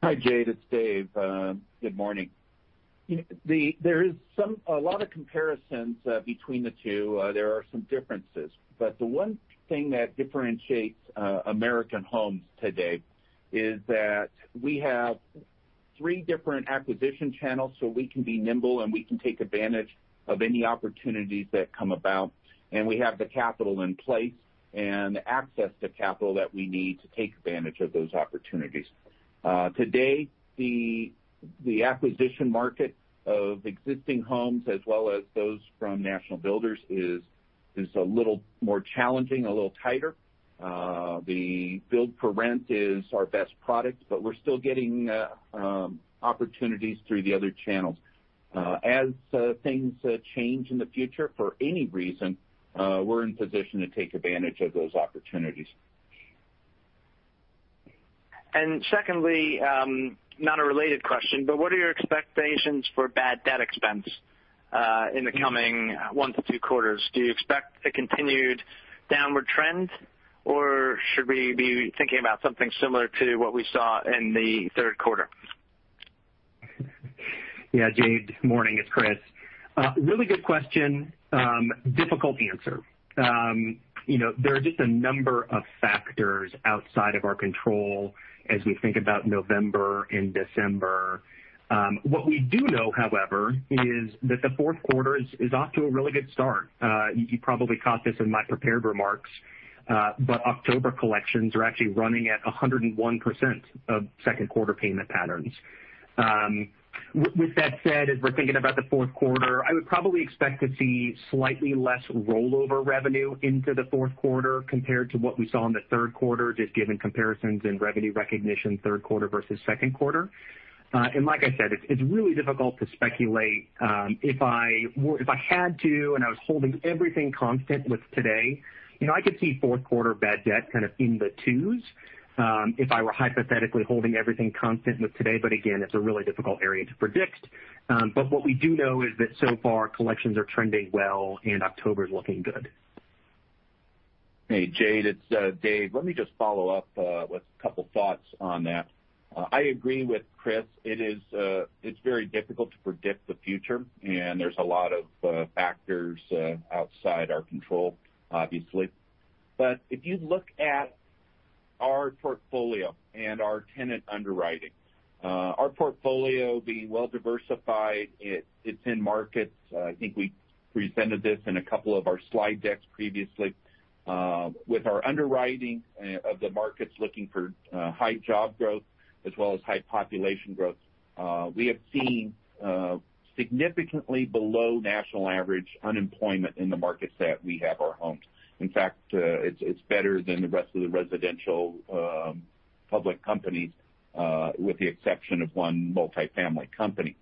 Hi, Jade, it's Dave. Good morning. There is a lot of comparisons between the two. There are some differences. The one thing that differentiates American Homes today is that we have three different acquisition channels, so we can be nimble, and we can take advantage of any opportunities that come about. We have the capital in place and access to capital that we need to take advantage of those opportunities. Today, the acquisition market of existing homes as well as those from national builders is Is a little more challenging, a little tighter. The build-for-rent is our best product, but we're still getting opportunities through the other channels. As things change in the future for any reason, we're in position to take advantage of those opportunities. Secondly, not a related question, but what are your expectations for bad debt expense in the coming one to two quarters? Do you expect a continued downward trend, or should we be thinking about something similar to what we saw in the third quarter? Yeah, Jade, morning. It's Chris. Really good question, difficult answer. There are just a number of factors outside of our control as we think about November and December. What we do know, however, is that the fourth quarter is off to a really good start. You probably caught this in my prepared remarks, October collections are actually running at 101% of second quarter payment patterns. With that said, as we're thinking about the fourth quarter, I would probably expect to see slightly less rollover revenue into the fourth quarter compared to what we saw in the third quarter, just given comparisons in revenue recognition, third quarter versus second quarter. Like I said, it's really difficult to speculate. If I had to, and I was holding everything constant with today, I could see fourth quarter bad debt kind of in the twos, if I were hypothetically holding everything constant with today. Again, it's a really difficult area to predict. What we do know is that so far, collections are trending well, and October's looking good. Hey, Jade, it's Dave. Let me just follow up with a couple thoughts on that. I agree with Chris. It's very difficult to predict the future, and there's a lot of factors outside our control, obviously. If you look at our portfolio and our tenant underwriting, our portfolio being well-diversified, it's in markets. I think we presented this in a couple of our slide decks previously. With our underwriting of the markets looking for high job growth as well as high population growth, we have seen significantly below national average unemployment in the markets that we have our homes. In fact, it's better than the rest of the residential public companies, with the exception of one multifamily company.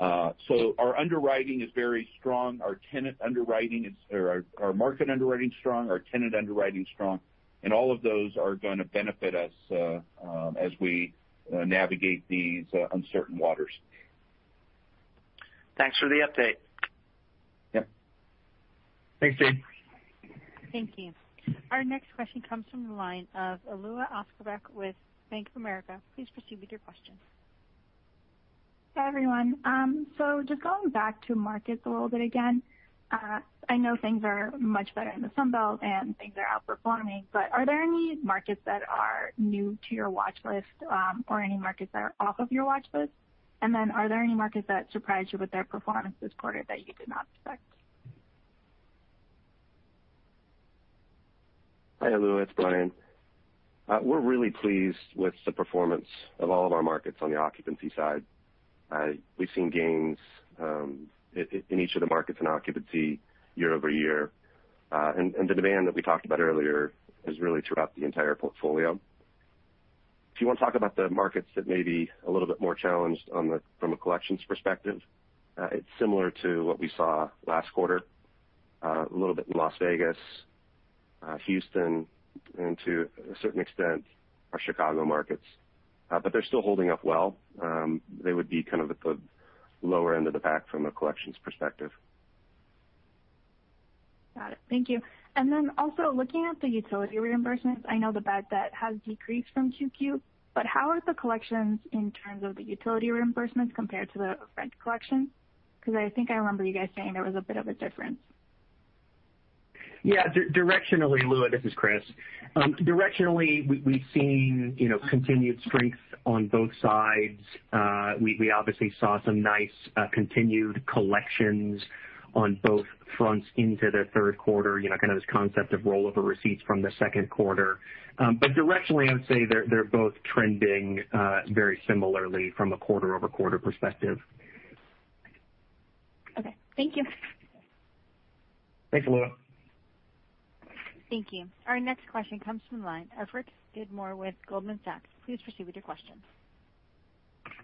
Our underwriting is very strong. Our market underwriting is strong, our tenant underwriting is strong, and all of those are going to benefit us as we navigate these uncertain waters. Thanks for the update. Yep. Thanks, Jade. Thank you. Our next question comes from the line of Alua Askarbek with Bank of America. Please proceed with your question. Hi, everyone. Just going back to markets a little bit again. I know things are much better in the Sun Belt and things are outperforming, but are there any markets that are new to your watchlist or any markets that are off of your watchlist? Are there any markets that surprised you with their performance this quarter that you did not expect? Hi, Alua, it's Bryan. We're really pleased with the performance of all of our markets on the occupancy side. We've seen gains in each of the markets in occupancy year-over-year. The demand that we talked about earlier is really throughout the entire portfolio. If you want to talk about the markets that may be a little bit more challenged from a collections perspective, it's similar to what we saw last quarter. A little bit in Las Vegas, Houston, and to a certain extent, our Chicago markets. They're still holding up well. They would be kind of at the lower end of the pack from a collections perspective. Got it. Thank you. Also looking at the utility reimbursements, I know the bad debt has decreased from Q2, but how are the collections in terms of the utility reimbursements compared to the rent collection? I think I remember you guys saying there was a bit of a difference. Yeah. Alua, this is Chris. Directionally, we've seen continued strength on both sides. We obviously saw some nice continued collections on both fronts into the third quarter, kind of this concept of rollover receipts from the second quarter. Directionally, I would say they're both trending very similarly from a quarter-over-quarter perspective. Okay. Thank you. Thanks, Alua. Thank you. Our next question comes from the line of Richard Hightower with Goldman Sachs. Please proceed with your question.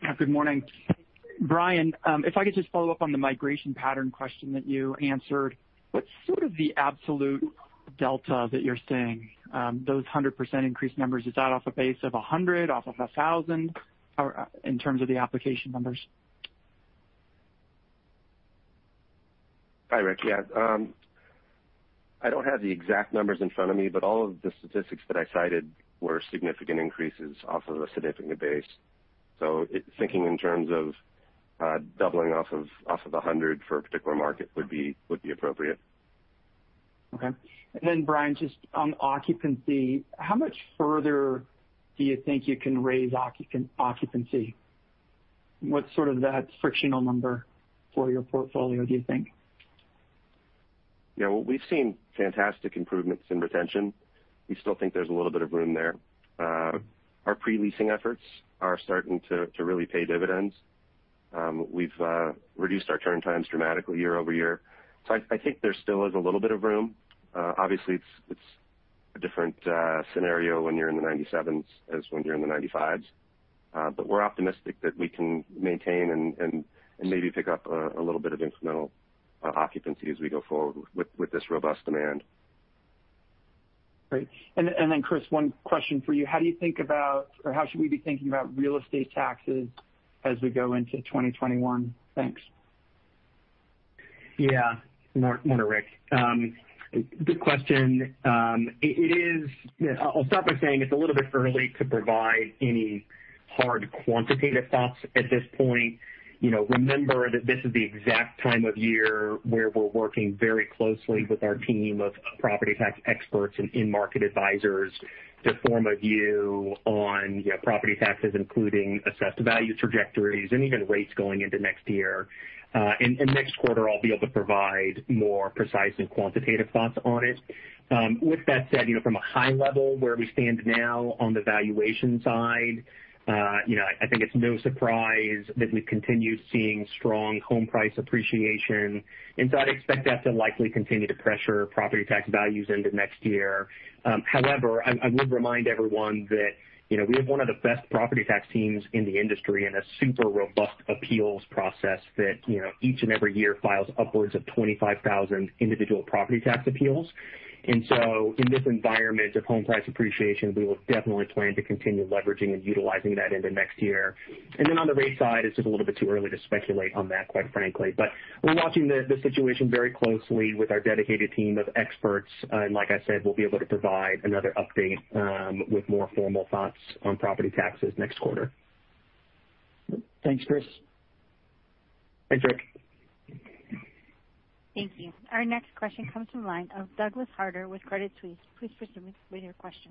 Yeah, good morning. Bryan, if I could just follow up on the migration pattern question that you answered. What's sort of the absolute delta that you're seeing? Those 100% increase numbers, is that off a base of 100? Off of 1,000? In terms of the application numbers. Hi, Rick. Yeah. I don't have the exact numbers in front of me, but all of the statistics that I cited were significant increases off of a significant base. Thinking in terms of doubling off of 100 for a particular market would be appropriate. Okay. Bryan, just on occupancy, how much further do you think you can raise occupancy? What's sort of that frictional number for your portfolio, do you think? Yeah. Well, we've seen fantastic improvements in retention. We still think there's a little bit of room there. Our pre-leasing efforts are starting to really pay dividends. We've reduced our turn times dramatically year-over-year. I think there still is a little bit of room. Obviously, it's a different scenario when you're in the 97s as when you're in the 95s. We're optimistic that we can maintain and maybe pick up a little bit of incremental occupancy as we go forward with this robust demand. Great. Chris, one question for you. How do you think about, or how should we be thinking about real estate taxes as we go into 2021? Thanks. Yeah. Morning, Rick. Good question. I'll start by saying it's a little bit early to provide any hard quantitative thoughts at this point. Remember that this is the exact time of year where we're working very closely with our team of property tax experts and in-market advisors to form a view on property taxes, including assessed value trajectories and even rates going into next year. Next quarter, I'll be able to provide more precise and quantitative thoughts on it. With that said, from a high level where we stand now on the valuation side, I think it's no surprise that we've continued seeing strong home price appreciation. I'd expect that to likely continue to pressure property tax values into next year. However, I would remind everyone that we have one of the best property tax teams in the industry and a super robust appeals process that each and every year files upwards of 25,000 individual property tax appeals. In this environment of home price appreciation, we will definitely plan to continue leveraging and utilizing that into next year. On the rate side, it is just a little bit too early to speculate on that, quite frankly. We're watching the situation very closely with our dedicated team of experts. Like I said, we will be able to provide another update with more formal thoughts on property taxes next quarter. Thanks, Chris. Thanks, Rick. Thank you. Our next question comes from the line of Douglas Harter with Credit Suisse. Please proceed with your question.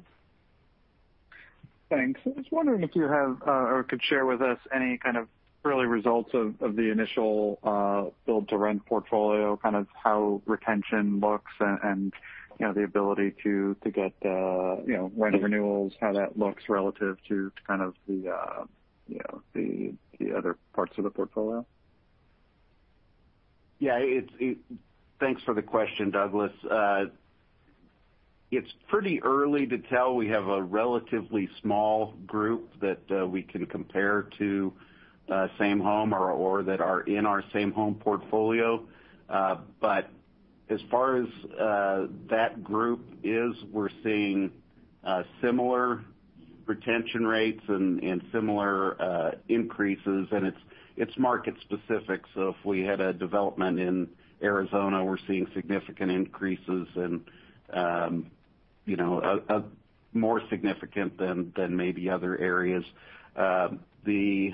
Thanks. I was wondering if you have or could share with us any kind of early results of the initial build-to-rent portfolio, kind of how retention looks and the ability to get rent renewals, how that looks relative to kind of the other parts of the portfolio. Yeah. Thanks for the question, Douglas. It's pretty early to tell. We have a relatively small group that we can compare to Same-Home or that are in our Same-Home portfolio. As far as that group is, we're seeing similar retention rates and similar increases, and it's market specific. If we had a development in Arizona, we're seeing significant increases and more significant than maybe other areas. The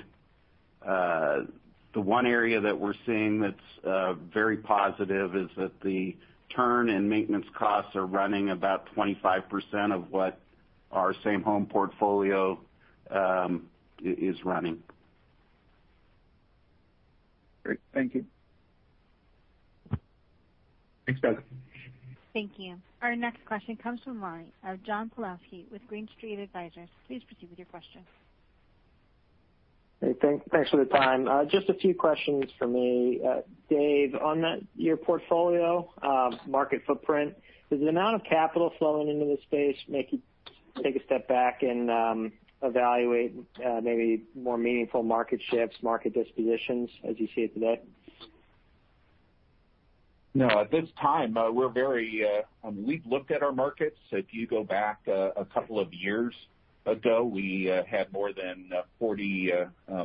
one area that we're seeing that's very positive is that the turn and maintenance costs are running about 25% of what our Same-Home portfolio is running. Great. Thank you. Thanks, Douglas. Thank you. Our next question comes from the line of John Pawlowski with Green Street Advisors. Please proceed with your question. Hey, thanks for the time. Just a few questions from me. Dave, on your portfolio market footprint, does the amount of capital flowing into the space make you take a step back and evaluate maybe more meaningful market shifts, market dispositions as you see it today? At this time, we've looked at our markets. If you go back a couple of years ago, we had more than 40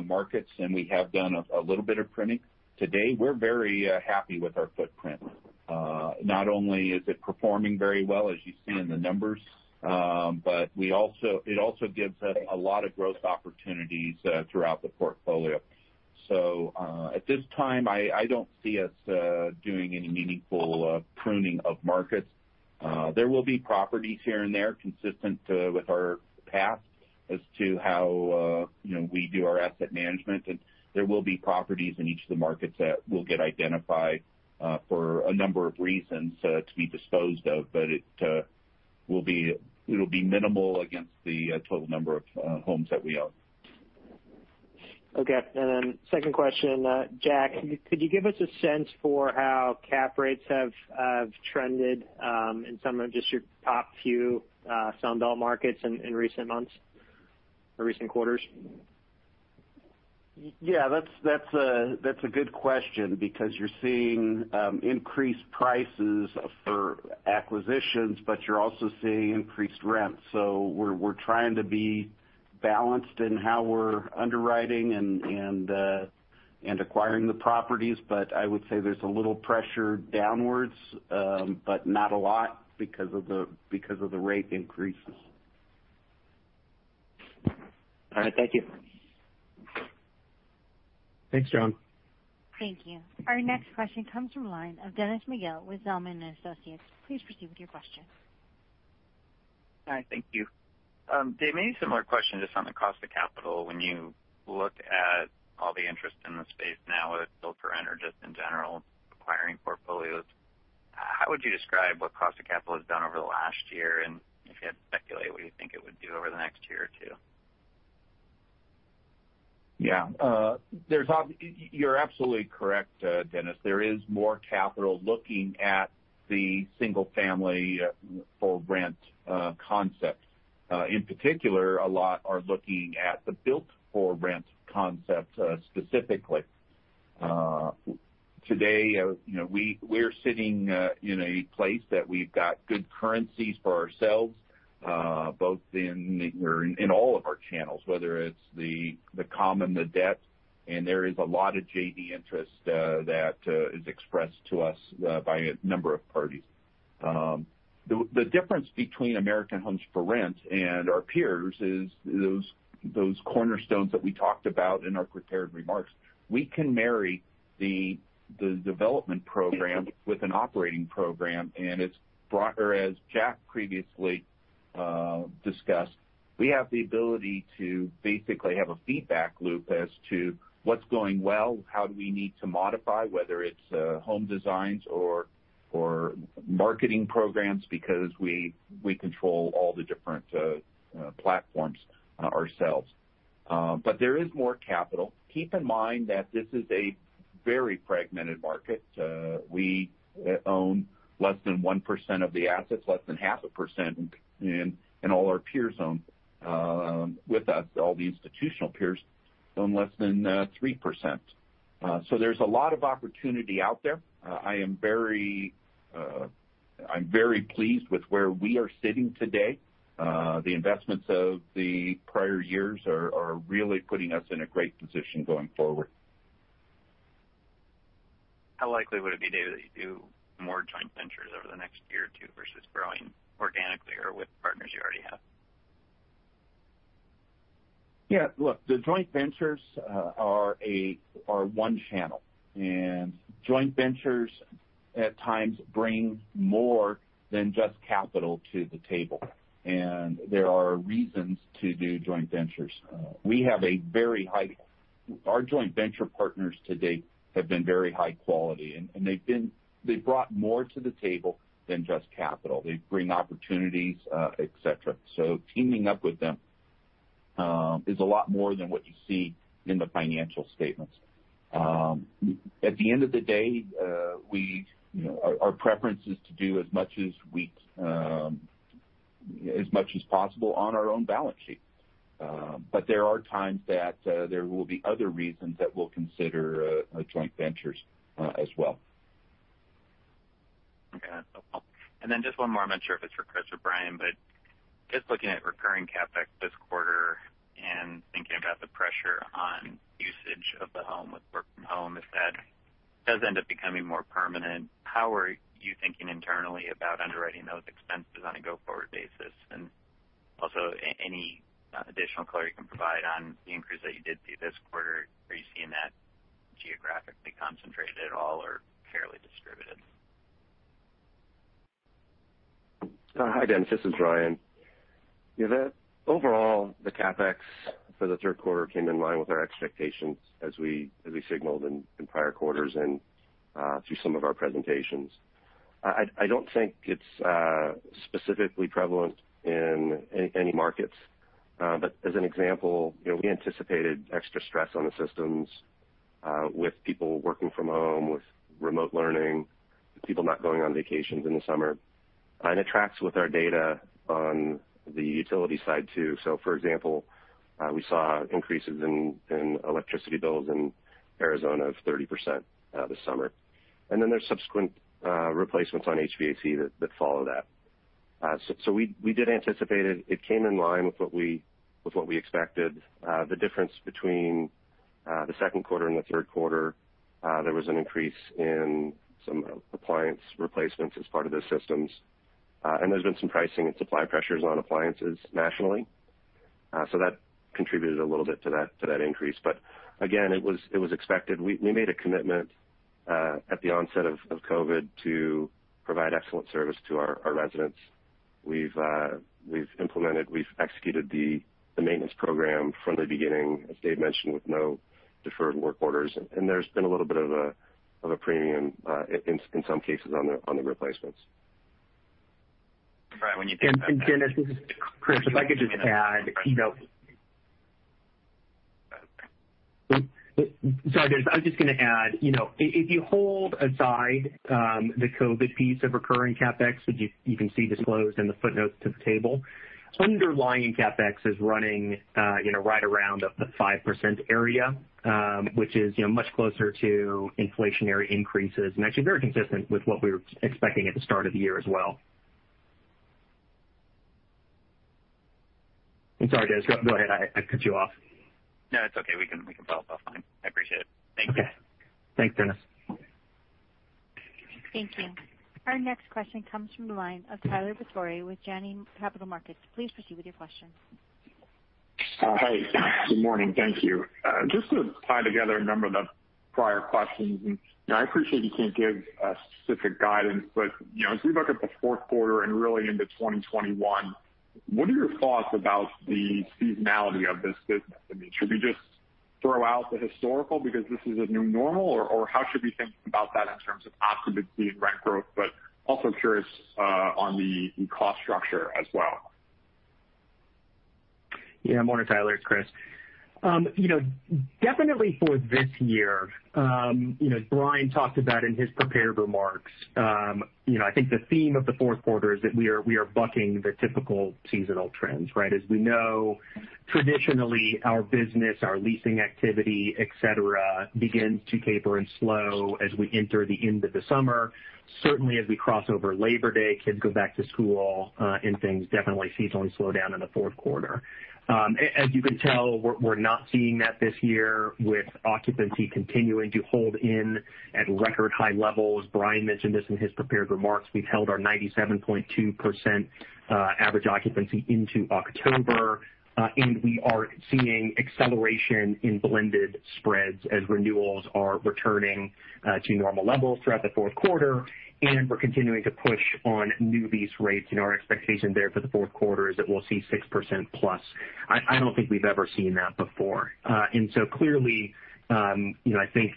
markets. We have done a little bit of pruning. Today, we're very happy with our footprint. Not only is it performing very well as you see in the numbers, it also gives us a lot of growth opportunities throughout the portfolio. At this time, I don't see us doing any meaningful pruning of markets. There will be properties here and there consistent with our past as to how we do our asset management. There will be properties in each of the markets that will get identified for a number of reasons to be disposed of. It'll be minimal against the total number of homes that we own. Okay. Second question, Jack, could you give us a sense for how cap rates have trended in some of just your top few Sun Belt markets in recent months or recent quarters? Yeah, that's a good question because you're seeing increased prices for acquisitions, but you're also seeing increased rents. We're trying to be balanced in how we're underwriting and acquiring the properties. I would say there's a little pressure downwards, but not a lot because of the rate increases. All right. Thank you. Thanks, John. Thank you. Our next question comes from the line of Dennis McGill with Zelman & Associates. Please proceed with your question. Hi, thank you. Dave, maybe a similar question just on the cost of capital. When you look at all the interest in the space now, how would you describe what cost of capital has done over the last year? If you had to speculate, what do you think it would do over the next year or two? Yeah. You're absolutely correct, Dennis. There is more capital looking at the single-family for rent concept. In particular, a lot are looking at the built-for-rent concept specifically. Today, we're sitting in a place that we've got good currencies for ourselves or in all of our channels, whether it's the common, the debt, and there is a lot of JV interest that is expressed to us by a number of parties. The difference between American Homes 4 Rent and our peers is those cornerstones that we talked about in our prepared remarks. We can marry the development program with an operating program, and as Jack previously discussed, we have the ability to basically have a feedback loop as to what's going well, how do we need to modify, whether it's home designs or marketing programs, because we control all the different platforms ourselves. There is more capital. Keep in mind that this is a very fragmented market. We own less than 1% of the assets, less than half a percent, and all our peers own with us, all the institutional peers own less than 3%. There's a lot of opportunity out there. I'm very pleased with where we are sitting today. The investments of the prior years are really putting us in a great position going forward. How likely would it be, David, that you do more joint ventures over the next year or two versus growing organically or with partners you already have? Yeah, look, the joint ventures are one channel. Joint ventures, at times, bring more than just capital to the table. There are reasons to do joint ventures. Our joint venture partners to date have been very high quality, and they've brought more to the table than just capital. They bring opportunities, et cetera. Teaming up with them is a lot more than what you see in the financial statements. At the end of the day, our preference is to do as much as possible on our own balance sheet. There are times that there will be other reasons that we'll consider joint ventures as well. Okay. That's helpful. Just one more, I'm not sure if it's for Chris or Bryan, just looking at recurring CapEx this quarter and thinking about the pressure on usage of the home with work from home, if that does end up becoming more permanent, how are you thinking internally about underwriting those expenses on a go-forward basis? Any additional color you can provide on the increase that you did see this quarter? Are you seeing that geographically concentrated at all or fairly distributed? Hi, Dennis McGill, this is Bryan Smith. Yeah, overall, the CapEx for the third quarter came in line with our expectations as we signaled in prior quarters and through some of our presentations. I don't think it's specifically prevalent in any markets. As an example, we anticipated extra stress on the systems with people working from home, with remote learning, with people not going on vacations in the summer. It tracks with our data on the utility side, too. For example, we saw increases in electricity bills in Arizona of 30% this summer. Then there's subsequent replacements on HVAC that follow that. We did anticipate it. It came in line with what we expected. The difference between the second quarter and the third quarter, there was an increase in some appliance replacements as part of the systems. There's been some pricing and supply pressures on appliances nationally. That contributed a little bit to that increase. Again, it was expected. We made a commitment at the onset of COVID-19 to provide excellent service to our residents. We've executed the maintenance program from the beginning, as Dave mentioned, with no deferred work orders. There's been a little bit of a premium in some cases on the replacements. Right. When you think about that. Dennis, this is Chris. If I could just add, if you hold aside the COVID piece of recurring CapEx that you can see disclosed in the footnotes to the table, underlying CapEx is running right around the 5% area, which is much closer to inflationary increases, and actually very consistent with what we were expecting at the start of the year as well. I'm sorry, Dennis, go ahead. I cut you off. No, it's okay. We can both talk. Fine. I appreciate it. Thank you. Okay. Thanks, Dennis. Thank you. Our next question comes from the line of Tyler Batory with Janney Montgomery Scott. Please proceed with your question. Hey. Good morning. Thank you. Just to tie together a number of the prior questions, and I appreciate you can't give a specific guidance, but as we look at the fourth quarter and really into 2021, what are your thoughts about the seasonality of this business? I mean, should we just throw out the historical because this is a new normal, or how should we think about that in terms of occupancy and rent growth, but also curious on the cost structure as well? Morning, Tyler Batory, it's Christopher Lau. Definitely for this year, Bryan Smith talked about in his prepared remarks. I think the theme of the fourth quarter is that we are bucking the typical seasonal trends, right? As we know, traditionally, our business, our leasing activity, et cetera, begins to taper and slow as we enter the end of the summer. Certainly, as we cross over Labor Day, kids go back to school, things definitely seasonally slow down in the fourth quarter. As you can tell, we're not seeing that this year, with occupancy continuing to hold in at record high levels. Bryan Smith mentioned this in his prepared remarks. We've held our 97.2% average occupancy into October. We are seeing acceleration in blended spreads as renewals are returning to normal levels throughout the fourth quarter. We're continuing to push on new lease rates, and our expectation there for the fourth quarter is that we'll see 6% plus. I don't think we've ever seen that before. Clearly, I think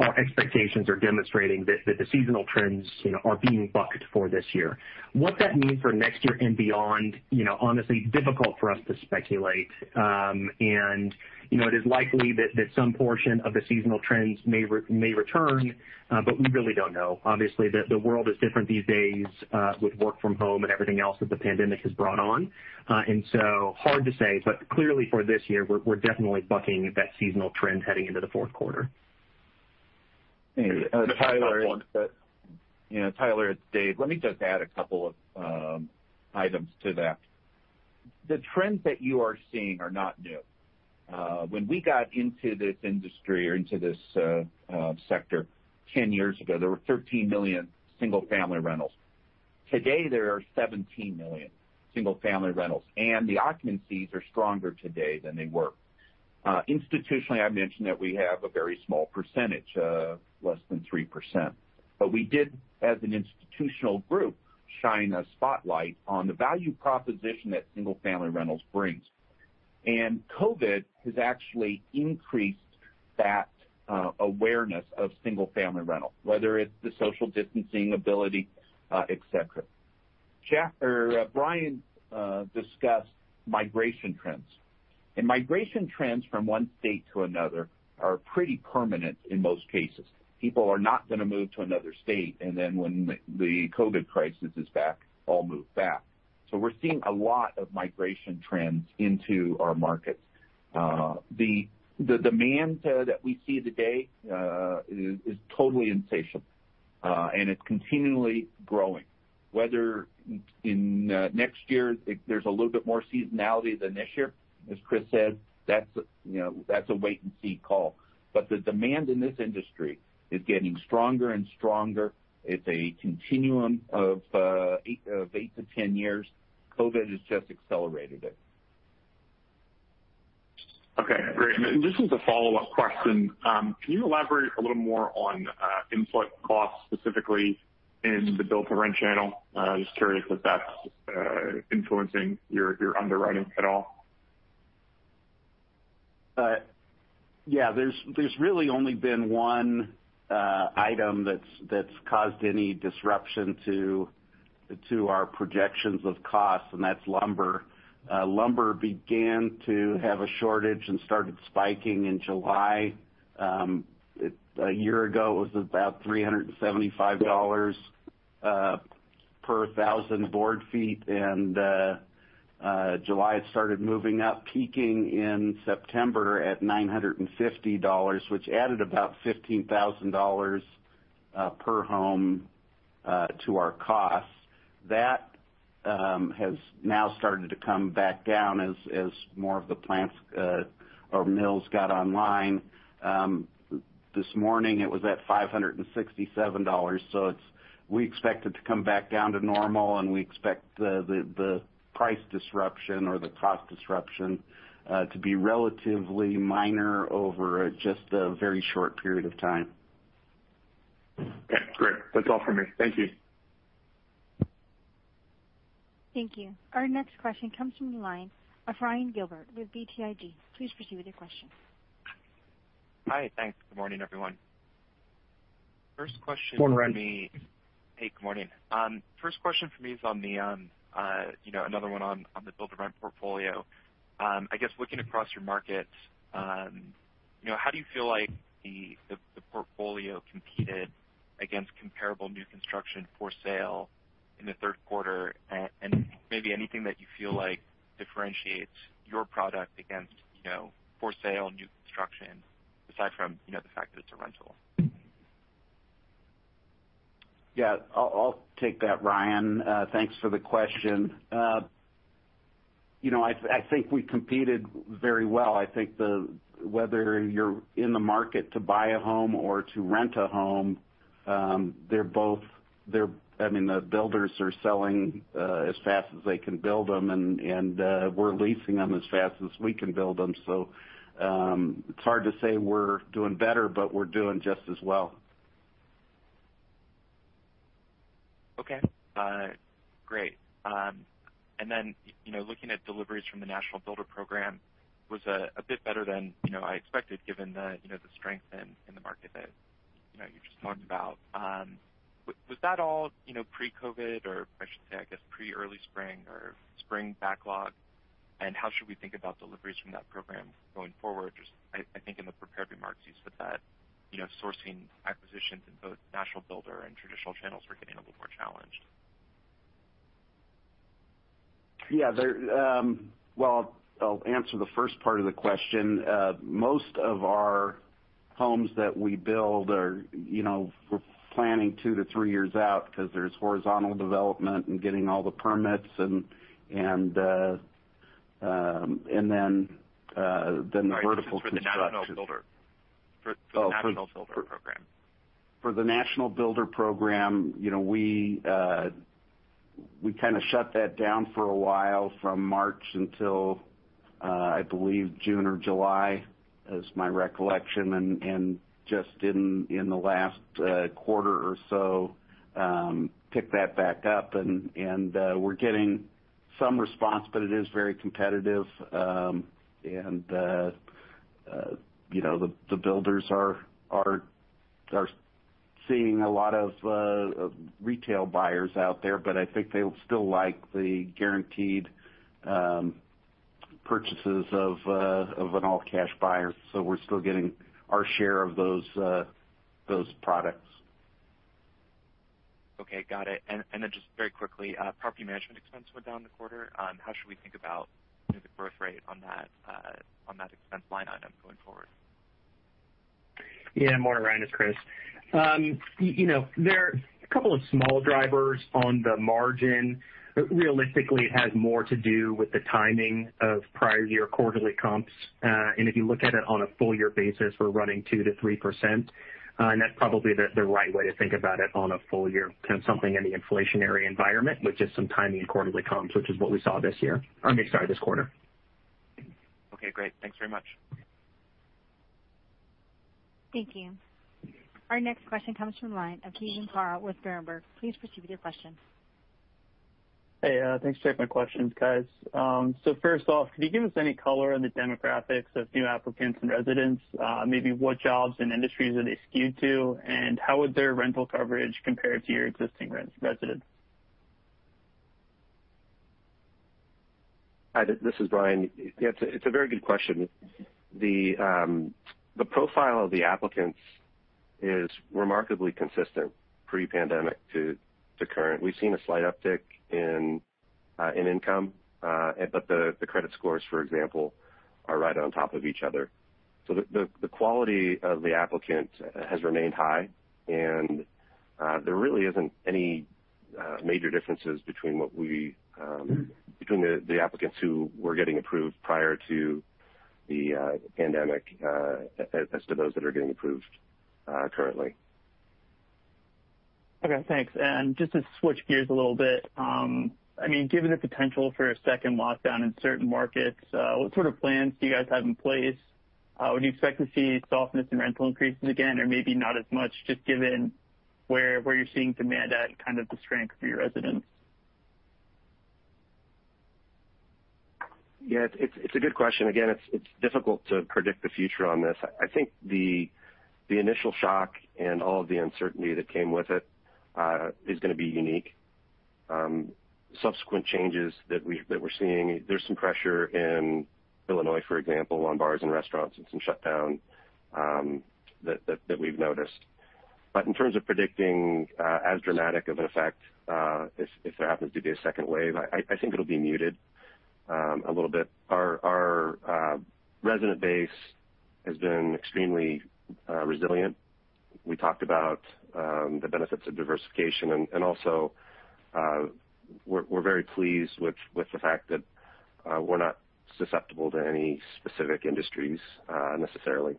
our expectations are demonstrating that the seasonal trends are being bucked for this year. What that means for next year and beyond, honestly, difficult for us to speculate. It is likely that some portion of the seasonal trends may return, but we really don't know. Obviously, the world is different these days with work from home and everything else that the pandemic has brought on. Hard to say, but clearly for this year, we're definitely bucking that seasonal trend heading into the fourth quarter. Tyler, it's Dave. Let me just add a couple of items to that. The trends that you are seeing are not new. When we got into this industry or into this sector 10 years ago, there were 13 million single-family rentals. Today, there are 17 million single-family rentals, and the occupancies are stronger today than they were. Institutionally, I mentioned that we have a very small percentage, less than 3%. We did, as an institutional group, shine a spotlight on the value proposition that single-family rentals brings. COVID has actually increased that awareness of single-family rental, whether it's the social distancing ability, et cetera. Bryan discussed migration trends. Migration trends from one state to another are pretty permanent in most cases. People are not going to move to another state, when the COVID crisis is back, all move back. We're seeing a lot of migration trends into our markets. The demand that we see today is totally insatiable. It's continually growing. Whether in next year, there's a little bit more seasonality than this year, as Chris said, that's a wait-and-see call. The demand in this industry is getting stronger and stronger. It's a continuum of eight to 10 years. COVID has just accelerated it. Okay, great. This is a follow-up question. Can you elaborate a little more on input costs, specifically in the build-to-rent channel? Just curious if that's influencing your underwriting at all. Yeah. There's really only been one item that's caused any disruption to our projections of costs. That's lumber. Lumber began to have a shortage and started spiking in July. A year ago, it was about $375 per 1,000 board feet. July, it started moving up, peaking in September at $950, which added about $15,000 per home to our costs. That has now started to come back down as more of the plants or mills got online. This morning, it was at $567. We expect it to come back down to normal, and we expect the price disruption or the cost disruption to be relatively minor over just a very short period of time. Okay, great. That's all for me. Thank you. Thank you. Our next question comes from the line of Ryan Gilbert with BTIG. Please proceed with your question. Hi. Thanks. Good morning, everyone. First question for me. Morning. Hey, good morning. First question for me is another one on the build-to-rent portfolio. I guess, looking across your markets, how do you feel like the portfolio competed against comparable new construction for sale in the third quarter? Maybe anything that you feel like differentiates your product against for sale new construction, aside from the fact that it's a rental. Yeah. I'll take that, Ryan. Thanks for the question. I think we competed very well. I think whether you're in the market to buy a home or to rent a home, the builders are selling as fast as they can build them, and we're leasing them as fast as we can build them. It's hard to say we're doing better, but we're doing just as well. Okay. Great. Looking at deliveries from the National Builder Program was a bit better than I expected given the strength in the market that you just talked about. Was that all pre-COVID? I should say, I guess, pre early spring or spring backlog? How should we think about deliveries from that program going forward? Just, I think in the prepared remarks, you said that sourcing acquisitions in both National Builder and traditional channels were getting a little more challenged. Yeah. Well, I'll answer the first part of the question. Most of our homes that we build, we're planning two to three years out because there's horizontal development and getting all the permits and then the vertical construction. Sorry, just for the National Builder Program. For the National Builder Program, we kind of shut that down for a while from March until, I believe June or July is my recollection. Just in the last quarter or so, picked that back up and we're getting some response, but it is very competitive. The builders are seeing a lot of retail buyers out there, but I think they still like the guaranteed purchases of an all-cash buyer. We're still getting our share of those products. Okay. Got it. Just very quickly, property management expense went down in the quarter. How should we think about the growth rate on that expense line item going forward? Yeah, Morning Ryan, it's Chris. There are a couple of small drivers on the margin. Realistically, it has more to do with the timing of prior year quarterly comps. If you look at it on a full year basis, we're running 2%-3%, and that's probably the right way to think about it on a full year kind of something in the inflationary environment with just some timing in quarterly comps, which is what we saw this quarter. Okay, great. Thanks very much. Thank you. Our next question comes from the line of Keegan Carl with Berenberg. Please proceed with your question. Hey, thanks for taking my questions, guys. First off, can you give us any color on the demographics of new applicants and residents? Maybe what jobs and industries are they skewed to, and how would their rental coverage compare to your existing residents? Hi, this is Bryan. It's a very good question. The profile of the applicants is remarkably consistent pre-pandemic to current. We've seen a slight uptick in income. The credit scores, for example, are right on top of each other. The quality of the applicant has remained high and there really isn't any major differences between the applicants who were getting approved prior to the pandemic as to those that are getting approved currently. Okay, thanks. Just to switch gears a little bit, given the potential for a second lockdown in certain markets, what sort of plans do you guys have in place? Would you expect to see softness in rental increases again, or maybe not as much just given where you're seeing demand at and kind of the strength of your residents? Yeah. It's a good question. Again, it's difficult to predict the future on this. I think the initial shock and all of the uncertainty that came with it is going to be unique. Subsequent changes that we're seeing, there's some pressure in Illinois, for example, on bars and restaurants and some shutdown that we've noticed. In terms of predicting as dramatic of an effect, if there happens to be a second wave, I think it'll be muted a little bit. Our resident base has been extremely resilient. We talked about the benefits of diversification, and also we're very pleased with the fact that we're not susceptible to any specific industries necessarily.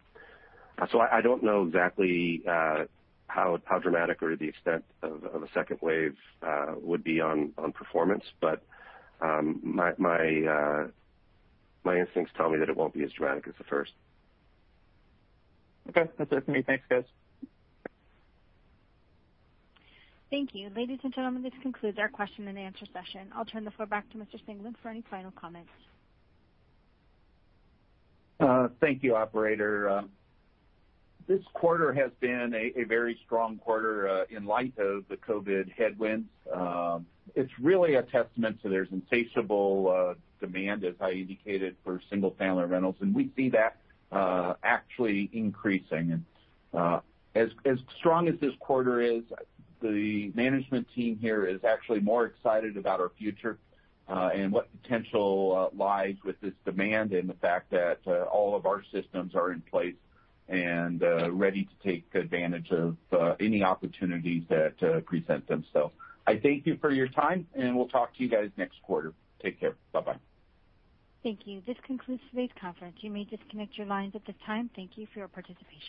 I don't know exactly how dramatic or the extent of a second wave would be on performance, but my instincts tell me that it won't be as dramatic as the first. Okay. That's it for me. Thanks, guys. Thank you. Ladies and gentlemen, this concludes our question and answer session. I'll turn the floor back to Mr. Singelyn for any final comments. Thank you, operator. This quarter has been a very strong quarter in light of the COVID headwinds. It's really a testament to their insatiable demand, as I indicated, for single-family rentals, and we see that actually increasing. As strong as this quarter is, the management team here is actually more excited about our future, and what potential lies with this demand, and the fact that all of our systems are in place and ready to take advantage of any opportunities that present themselves. I thank you for your time, and we'll talk to you guys next quarter. Take care. Bye-bye. Thank you. This concludes today's conference. You may disconnect your lines at this time. Thank you for your participation.